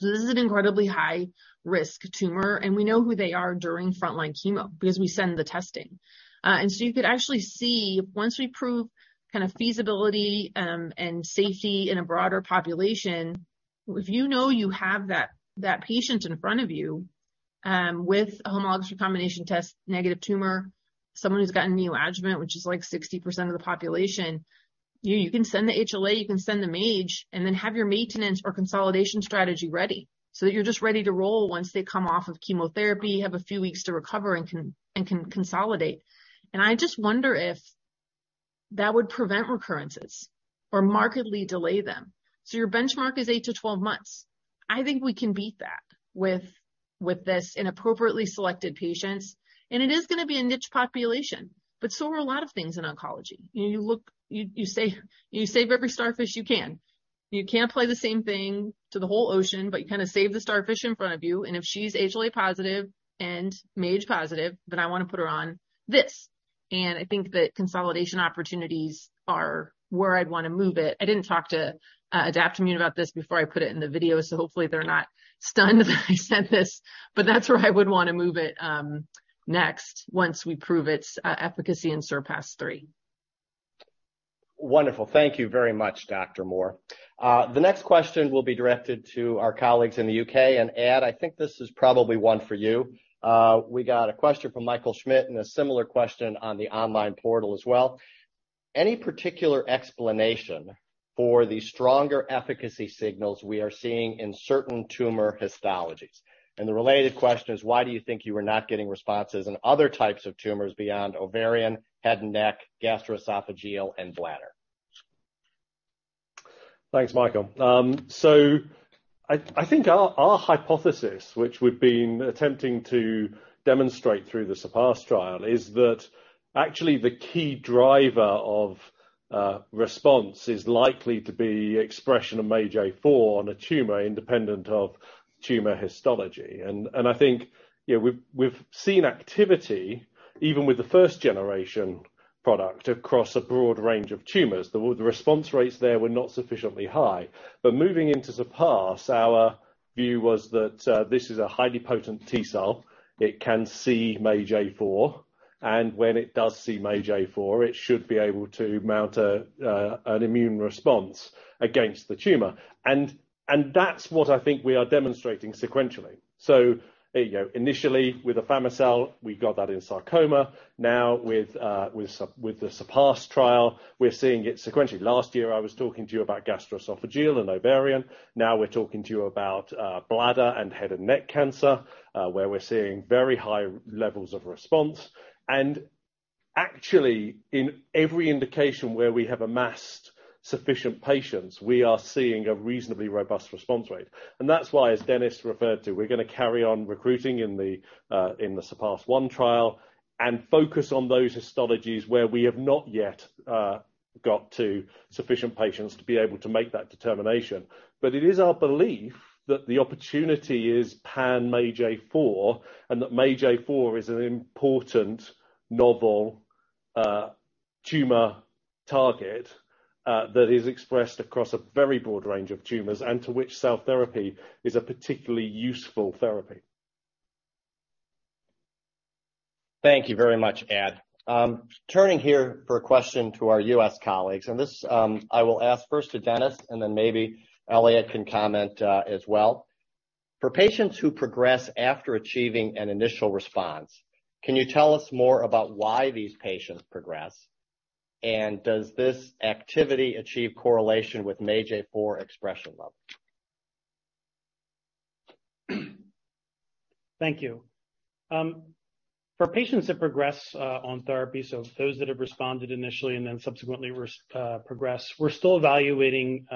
This is an incredibly high-risk tumor, and we know who they are during frontline chemo because we send the testing. You could actually see once we prove kind of feasibility, and safety in a broader population, if you know you have that patient in front of you, with a HRD-negative tumor, someone who's gotten neoadjuvant, which is like 60% of the population, you can send the HLA, you can send the MAGE, and then have your maintenance or consolidation strategy ready. That you're just ready to roll once they come off of chemotherapy, have a few weeks to recover and can consolidate. I just wonder if that would prevent recurrences or markedly delay them. Your benchmark is 8-12 months. I think we can beat that with this in appropriately selected patients, and it is gonna be a niche population, but so are a lot of things in oncology. You look you save every starfish you can. You can't apply the same thing to the whole ocean, but you kinda save the starfish in front of you, and if she's HLA positive and MAGE positive, then I wanna put her on this. I think that consolidation opportunities are where I'd wanna move it. I didn't talk to Adaptimmune about this before I put it in the video, so hopefully they're not stunned that I sent this, but that's where I would wanna move it next, once we prove its efficacy in SURPASS-3. Wonderful. Thank you very much, Dr. Moore. The next question will be directed to our colleagues in the U.K. Ad, I think this is probably one for you. We got a question from Michael Schmidt and a similar question on the online portal as well. Any particular explanation for the stronger efficacy signals we are seeing in certain tumor histologies? The related question is why do you think you are not getting responses in other types of tumors beyond ovarian, head and neck, gastroesophageal, and bladder? Thanks, Michael. I think our hypothesis, which we've been attempting to demonstrate through the SURPASS trial, is that actually the key driver of response is likely to be expression of MAGE-A4 on a tumor independent of tumor histology. I think, you know, we've seen activity even with the first generation product across a broad range of tumors. The response rates there were not sufficiently high. Moving into SURPASS, our view was that this is a highly potent T-cell. It can see MAGE-A4, and when it does see MAGE-A4, it should be able to mount an immune response against the tumor. That's what I think we are demonstrating sequentially. You know, initially, with afami-cel, we got that in sarcoma. Now with the SURPASS trial, we're seeing it sequentially. Last year, I was talking to you about gastroesophageal and ovarian. Now we're talking to you about bladder and head and neck cancer, where we're seeing very high levels of response. Actually, in every indication where we have amassed sufficient patients, we are seeing a reasonably robust response rate. That's why, as Dennis referred to, we're gonna carry on recruiting in the SURPASS-1 trial and focus on those histologies where we have not yet got to sufficient patients to be able to make that determination. It is our belief that the opportunity is pan MAGE-A4 and that MAGE-A4 is an important novel tumor target that is expressed across a very broad range of tumors and to which cell therapy is a particularly useful therapy. Thank you very much, Ad. Turning here for a question to our US colleagues, and this, I will ask first to Dennis and then maybe Elliot can comment, as well. For patients who progress after achieving an initial response, can you tell us more about why these patients progress? And does this activity achieve correlation with MAGE-A4 expression level? Thank you. For patients that progress on therapy, so those that have responded initially and then subsequently progress, we're still evaluating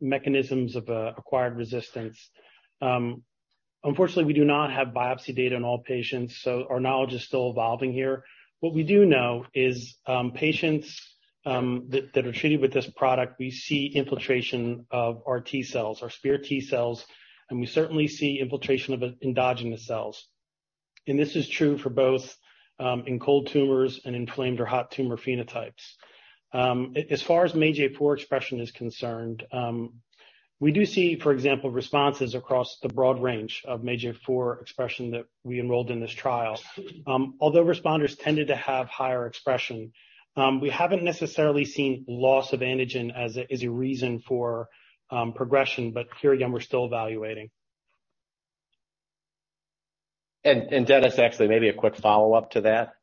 mechanisms of acquired resistance. Unfortunately, we do not have biopsy data on all patients, so our knowledge is still evolving here. What we do know is, patients that are treated with this product, we see infiltration of our T-cells, our SPEAR T-cells, and we certainly see infiltration of endogenous cells. This is true for both in cold tumors and inflamed or hot tumor phenotypes. As far as MAGE-A4 expression is concerned, we do see, for example, responses across the broad range of MAGE-A4 expression that we enrolled in this trial. Although responders tended to have higher expression, we haven't necessarily seen loss of antigen as a reason for progression, but here again, we're still evaluating. Dennis, actually, maybe a quick follow-up to that.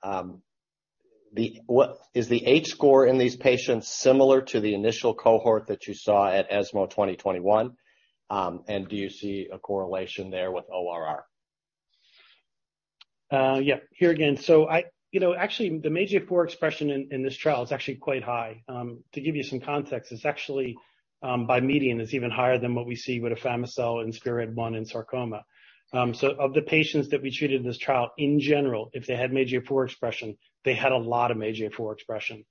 Is the H-score in these patients similar to the initial cohort that you saw at ESMO 2021? Do you see a correlation there with ORR? You know, actually, the MAGE-A4 expression in this trial is actually quite high. To give you some context, it's actually by median, it's even higher than what we see with afami-cel and SPEARHEAD-1 in sarcoma. So of the patients that we treated in this trial, in general, if they had MAGE-A4 expression, they had a lot of MAGE-A4 expression.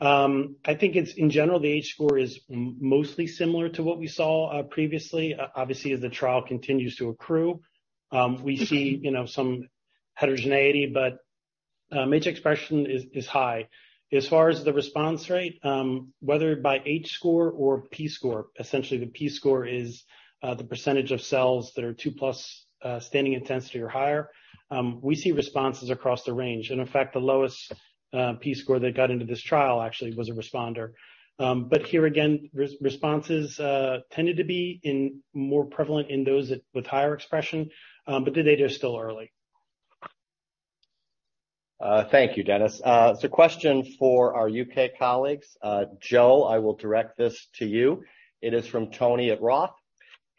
I think it's in general, the H-score is mostly similar to what we saw previously. Obviously, as the trial continues to accrue, we see, you know, some heterogeneity, but MAGE expression is high. As far as the response rate, whether by H-score or P score, essentially the P score is the percentage of cells that are two + staining intensity or higher. We see responses across the range. In fact, the lowest P score that got into this trial actually was a responder. But here again, responses tended to be more prevalent in those with higher expression, but the data is still early. Thank you, Dennis. It's a question for our UK colleagues. Jo, I will direct this to you. It is from Tony at Roth.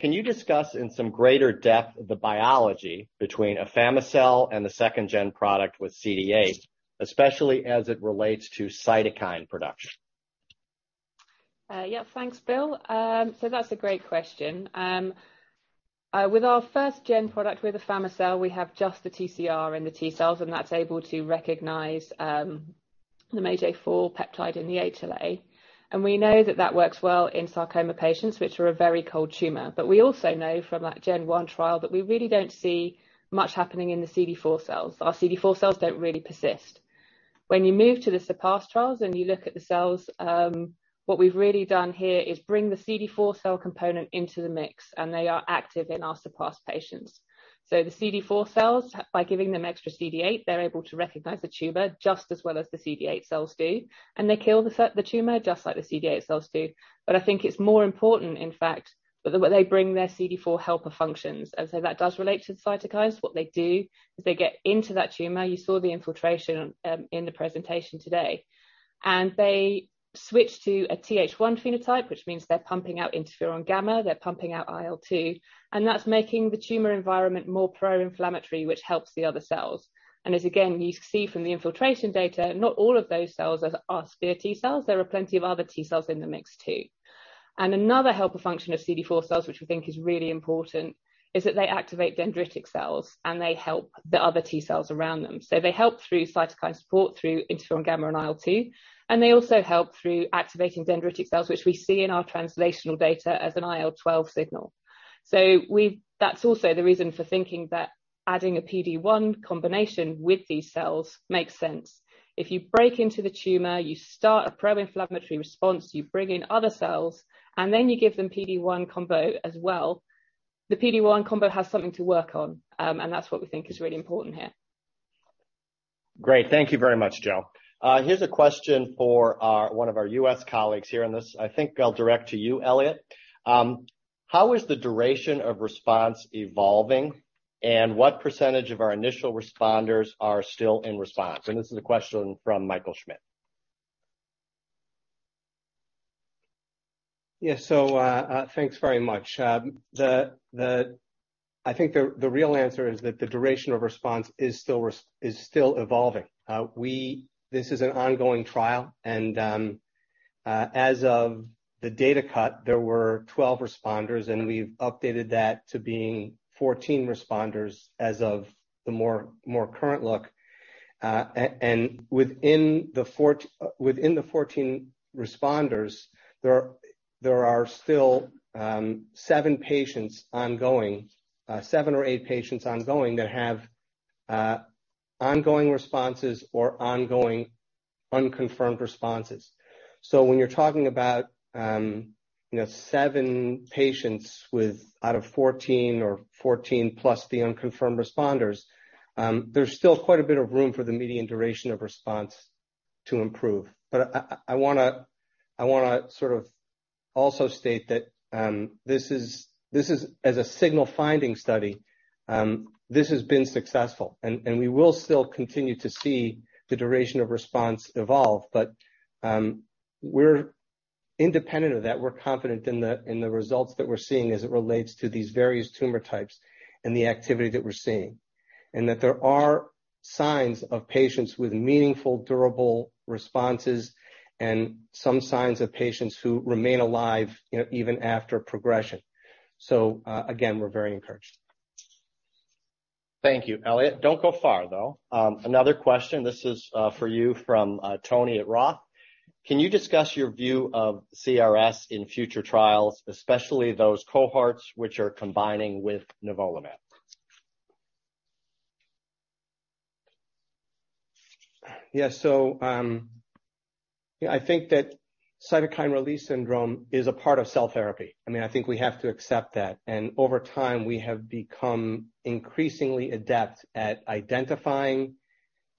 Can you discuss in some greater depth the biology between afami-cel and the second-gen product with CD8, especially as it relates to cytokine production? Yeah. Thanks, Bill. That's a great question. With our first-gen product with afami-cel, we have just the TCR and the T-cells, and that's able to recognize the mesothelin peptide and the HLA. We know that that works well in sarcoma patients, which are a very cold tumor. We also know from that gen one trial that we really don't see much happening in the CD4 cells. Our CD4 cells don't really persist. When you move to the SURPASS trials and you look at the cells, what we've really done here is bring the CD4 cell component into the mix, and they are active in our SURPASS patients. The CD4 cells, by giving them extra CD8, they're able to recognize the tumor just as well as the CD8 cells do, and they kill the tumor just like the CD8 cells do. I think it's more important, in fact, that when they bring their CD4 helper functions, and so that does relate to the cytokines. What they do is they get into that tumor. You saw the infiltration in the presentation today. They switch to a Th1 phenotype, which means they're pumping out interferon gamma, they're pumping out IL-2, and that's making the tumor environment more pro-inflammatory, which helps the other cells. As again, you see from the infiltration data, not all of those cells are T cells. There are plenty of other T cells in the mix too. Another helper function of CD4 cells, which we think is really important, is that they activate dendritic cells, and they help the other T cells around them. They help through cytokine support, through interferon gamma and IL-2, and they also help through activating dendritic cells, which we see in our translational data as an IL-12 signal. That's also the reason for thinking that adding a PD-1 combination with these cells makes sense. If you break into the tumor, you start a pro-inflammatory response, you bring in other cells, and then you give them PD-1 combo as well. The PD-1 combo has something to work on, and that's what we think is really important here. Great. Thank you very much, Jo. Here's a question for one of our US colleagues here, and this I think I'll direct to you, Elliot. How is the duration of response evolving, and what percentage of our initial responders are still in response? This is a question from Michael Schmidt. Yeah. Thanks very much. I think the real answer is that the duration of response is still evolving. This is an ongoing trial, and as of the data cut, there were 12 responders, and we've updated that to being 14 responders as of the more current look. Within the 14 responders, there are still seven patients ongoing, seven or eight patients ongoing that have ongoing responses or ongoing unconfirmed responses. When you're talking about, you know, seven patients out of 14 or 14 + the unconfirmed responders, there's still quite a bit of room for the median duration of response to improve. I wanna sort of also state that this is as a signal finding study, this has been successful. We will still continue to see the duration of response evolve. We're independent of that. We're confident in the results that we're seeing as it relates to these various tumor types and the activity that we're seeing, and that there are signs of patients with meaningful, durable responses and some signs of patients who remain alive, you know, even after progression. Again, we're very encouraged. Thank you, Elliot. Don't go far, though. Another question. This is for you from Tony at Roth. Can you discuss your view of CRS in future trials, especially those cohorts which are combining with nivolumab? I think that cytokine release syndrome is a part of cell therapy. I mean, I think we have to accept that. Over time, we have become increasingly adept at identifying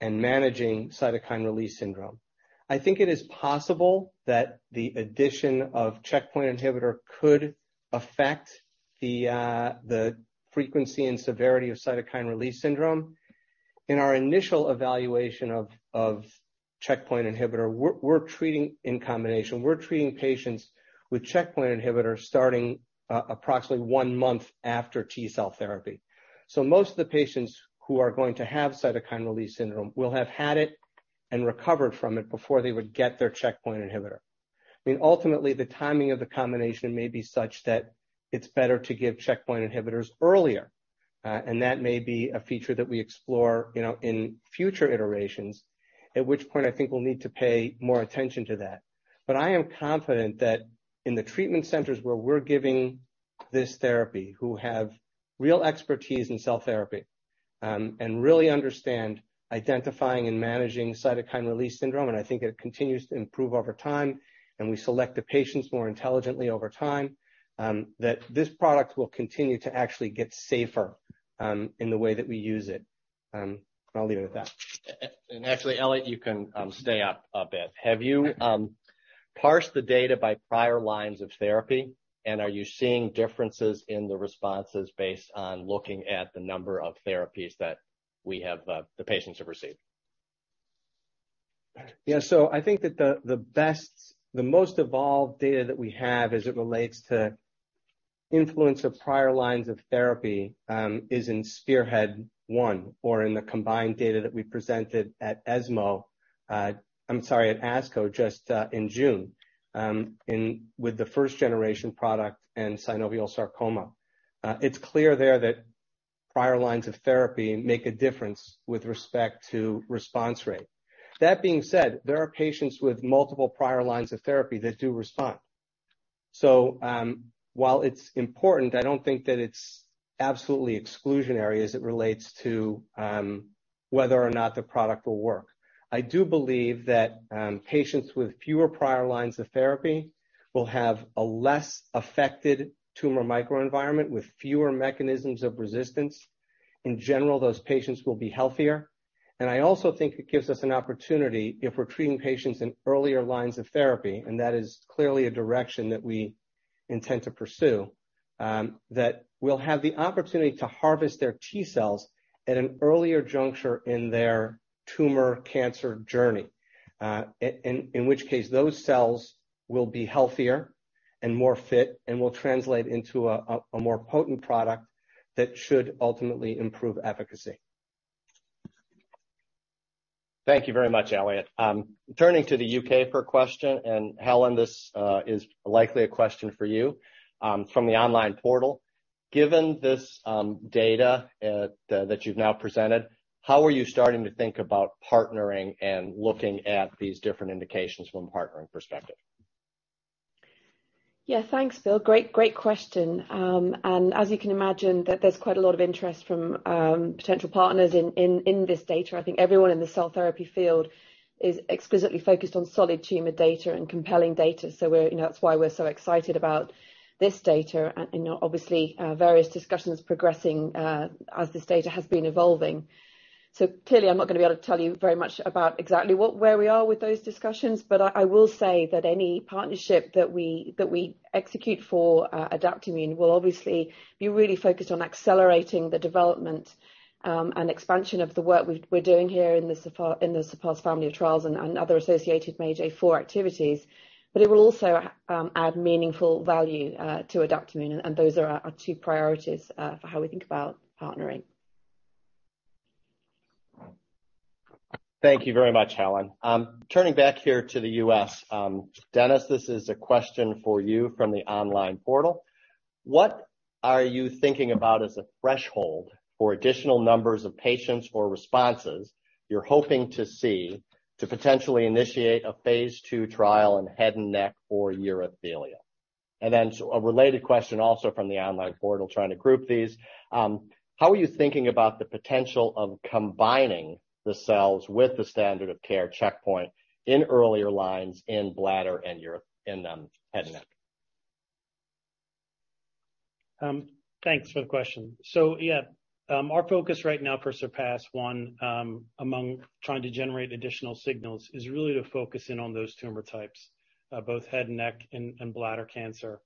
and managing cytokine release syndrome. I think it is possible that the addition of checkpoint inhibitor could affect the frequency and severity of cytokine release syndrome. In our initial evaluation of checkpoint inhibitor, we're treating in combination, treating patients with checkpoint inhibitors starting approximately one month after T-cell therapy. Most of the patients who are going to have cytokine release syndrome will have had it and recovered from it before they would get their checkpoint inhibitor.I mean, ultimately, the timing of the combination may be such that it's better to give checkpoint inhibitors earlier, and that may be a feature that we explore, you know, in future iterations. At which point I think we'll need to pay more attention to that. I am confident that in the treatment centers where we're giving this therapy, who have real expertise in cell therapy, and really understand identifying and managing cytokine release syndrome, and I think it continues to improve over time, and we select the patients more intelligently over time, that this product will continue to actually get safer, in the way that we use it. And I'll leave it at that. Actually, Elliot, you can stay up there. Have you parsed the data by prior lines of therapy, and are you seeing differences in the responses based on looking at the number of therapies that we have, the patients have received? Yeah. I think that the best, the most evolved data that we have as it relates to influence of prior lines of therapy, is in SPEARHEAD-1 or in the combined data that we presented at ASCO just in June, in with the first generation product and synovial sarcoma. It's clear there that prior lines of therapy make a difference with respect to response rate. That being said, there are patients with multiple prior lines of therapy that do respond. While it's important, I don't think that it's absolutely exclusionary as it relates to whether or not the product will work. I do believe that patients with fewer prior lines of therapy will have a less affected tumor microenvironment with fewer mechanisms of resistance. In general, those patients will be healthier. I also think it gives us an opportunity if we're treating patients in earlier lines of therapy, and that is clearly a direction that we intend to pursue, that we'll have the opportunity to harvest their T-cells at an earlier juncture in their tumor cancer journey. In which case, those cells will be healthier and more fit and will translate into a more potent product that should ultimately improve efficacy. Thank you very much, Elliot. Turning to the U.K. for a question, Helen, this is likely a question for you from the online portal. Given this data that you've now presented, how are you starting to think about partnering and looking at these different indications from partnering perspective? Yeah. Thanks, Bill. Great question. As you can imagine, there's quite a lot of interest from potential partners in this data. I think everyone in the cell therapy field is exquisitely focused on solid tumor data and compelling data. That's why we're so excited about this data and, you know, obviously, various discussions progressing as this data has been evolving. Clearly, I'm not gonna be able to tell you very much about exactly where we are with those discussions, but I will say that any partnership that we execute for Adaptimmune will obviously be really focused on accelerating the development and expansion of the work we're doing here in the SURPASS family of trials and other associated MAGE-A4 activities.It will also add meaningful value to Adaptimmune, and those are our two priorities for how we think about partnering. Thank you very much, Helen. Turning back here to the U.S., Dennis, this is a question for you from the online portal. What are you thinking about as a threshold for additional numbers of patients or responses you're hoping to see to potentially initiate a phase II trial in head and neck or urothelial? Then a related question also from the online portal, trying to group these. How are you thinking about the potential of combining the cells with the standard of care checkpoint in earlier lines in bladder and urothelial in head and neck? Thanks for the question. Yeah, our focus right now for SURPASS-1, among trying to generate additional signals is really to focus in on those tumor types, both head and neck and bladder cancer.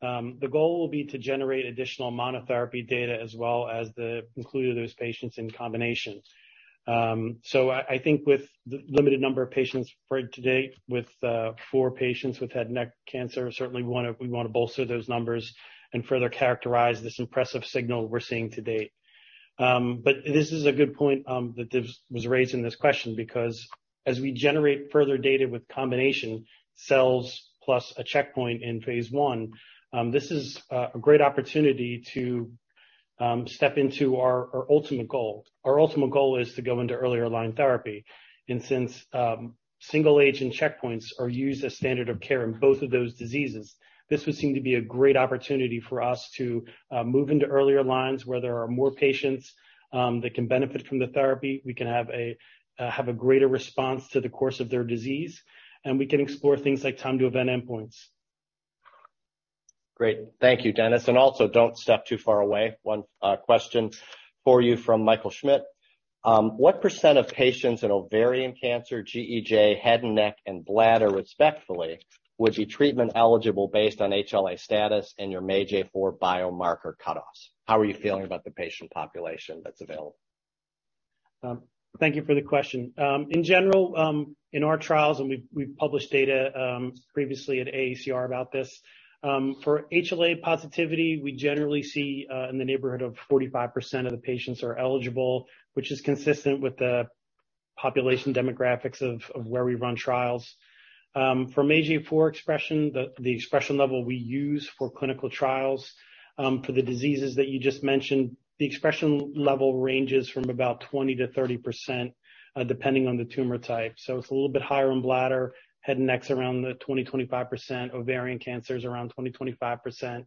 The goal will be to generate additional monotherapy data as well as the inclusion of those patients in combination. I think with the limited number of patients for today with four patients with head and neck cancer, certainly wanna we wanna bolster those numbers and further characterize this impressive signal we're seeing to date. This is a good point that this was raised in this question because as we generate further data with combination cells plus a checkpoint in phase I, this is a great opportunity to step into our ultimate goal. Our ultimate goal is to go into earlier line therapy. Since single agent checkpoints are used as standard of care in both of those diseases, this would seem to be a great opportunity for us to move into earlier lines where there are more patients that can benefit from the therapy. We can have a greater response to the course of their disease, and we can explore things like time to event endpoints. Great. Thank you, Dennis. And also don't step too far away. One question for you from Michael Schmidt. What percent of patients in ovarian cancer, GEJ, head and neck, and bladder respectively would be treatment eligible based on HLA status and your MAGE-A4 biomarker cutoffs? How are you feeling about the patient population that's available? Thank you for the question. In general, in our trials, we've published data previously at AACR about this. For HLA positivity, we generally see in the neighborhood of 45% of the patients are eligible, which is consistent with the population demographics of where we run trials. For MAGE-A4 expression, the expression level we use for clinical trials, for the diseases that you just mentioned, the expression level ranges from about 20%-30%, depending on the tumor type. It's a little bit higher in bladder, head and neck around the 20%-25%, ovarian cancer is around 20-25%.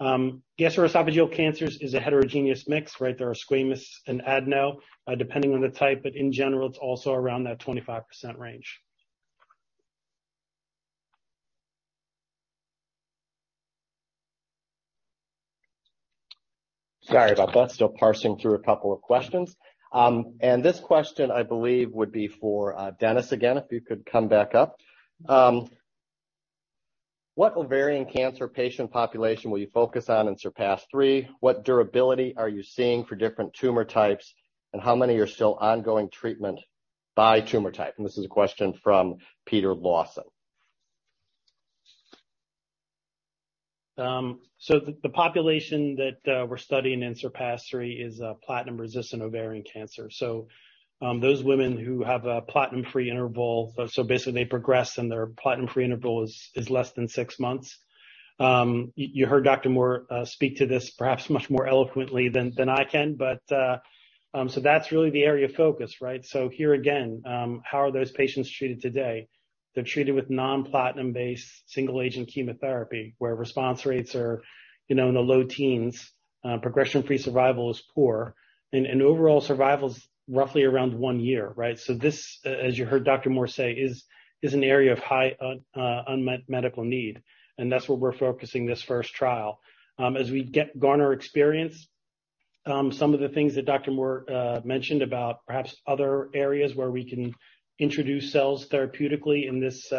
Gastroesophageal cancers is a heterogeneous mix, right? There are squamous and adeno, depending on the type, but in general, it's also around that 25% range. Sorry about that. Still parsing through a couple of questions. This question, I believe, would be for, Dennis again, if you could come back up. What ovarian cancer patient population will you focus on in SURPASS-3? What durability are you seeing for different tumor types? And how many are still ongoing treatment by tumor type? This is a question from Peter Lawson. The population that we're studying in SURPASS-3 is platinum-resistant ovarian cancer. Those women who have a platinum-free interval, basically they progress and their platinum-free interval is less than six months. You heard Dr. Moore speak to this perhaps much more eloquently than I can. That's really the area of focus, right? Here again, how are those patients treated today? They're treated with non-platinum-based single agent chemotherapy, where response rates are, you know, in the low teens. Progression-free survival is poor. Overall survival is roughly around one year, right? This, as you heard Dr. Moore say, is an area of high unmet medical need, and that's where we're focusing this first trial. Garner experience, some of the things that Dr. Moore mentioned about perhaps other areas where we can introduce cells therapeutically in this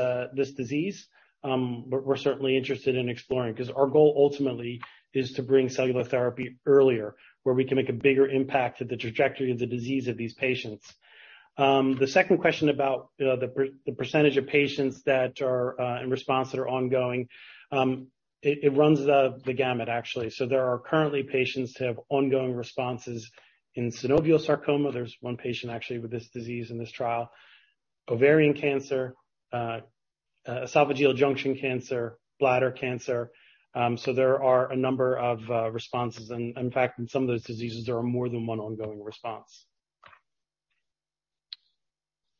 disease, we're certainly interested in exploring. 'Cause our goal ultimately is to bring cellular therapy earlier, where we can make a bigger impact to the trajectory of the disease of these patients. The second question about the percentage of patients that are in response that are ongoing, it runs the gamut, actually. There are currently patients who have ongoing responses in synovial sarcoma. There's one patient actually with this disease in this trial. Ovarian cancer, esophageal junction cancer, bladder cancer. There are a number of responses. In fact, in some of those diseases, there are more than one ongoing response.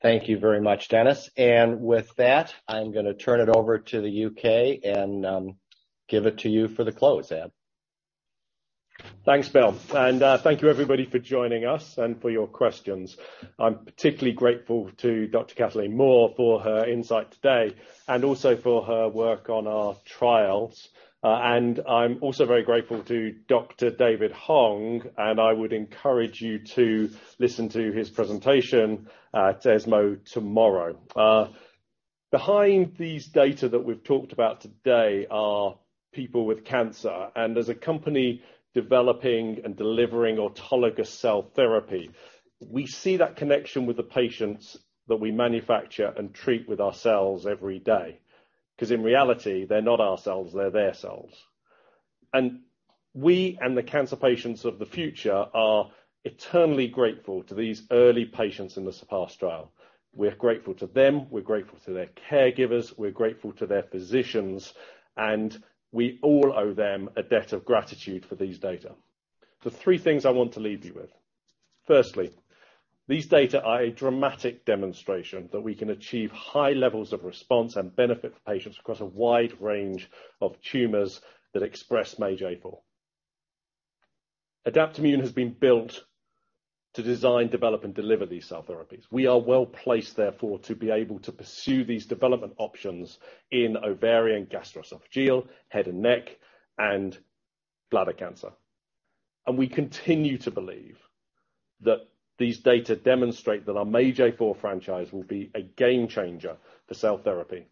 Thank you very much, Dennis. With that, I'm gonna turn it over to the U.K. and give it to you for the close, Ad. Thanks, Bill. Thank you everybody for joining us and for your questions. I'm particularly grateful to Dr. Kathleen Moore for her insight today and also for her work on our trials. I'm also very grateful to Dr. David Hong, and I would encourage you to listen to his presentation at ESMO tomorrow. Behind these data that we've talked about today are people with cancer. As a company developing and delivering autologous cell therapy, we see that connection with the patients that we manufacture and treat with our cells every day. 'Cause in reality, they're not our cells, they're their cells. We and the cancer patients of the future are eternally grateful to these early patients in the SURPASS trial. We're grateful to them, we're grateful to their caregivers, we're grateful to their physicians, and we all owe them a debt of gratitude for these data. There are three things I want to leave you with. Firstly, these data are a dramatic demonstration that we can achieve high levels of response and benefit for patients across a wide range of tumors that express MAGE-A4. Adaptimmune has been built to design, develop, and deliver these cell therapies. We are well-placed, therefore, to be able to pursue these development options in ovarian, gastroesophageal, head and neck, and bladder cancer. We continue to believe that these data demonstrate that our MAGE-A4 franchise will be a game changer for cell therapy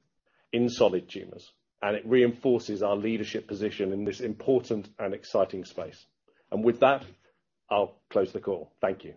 in solid tumors, and it reinforces our leadership position in this important and exciting space. With that, I'll close the call. Thank you.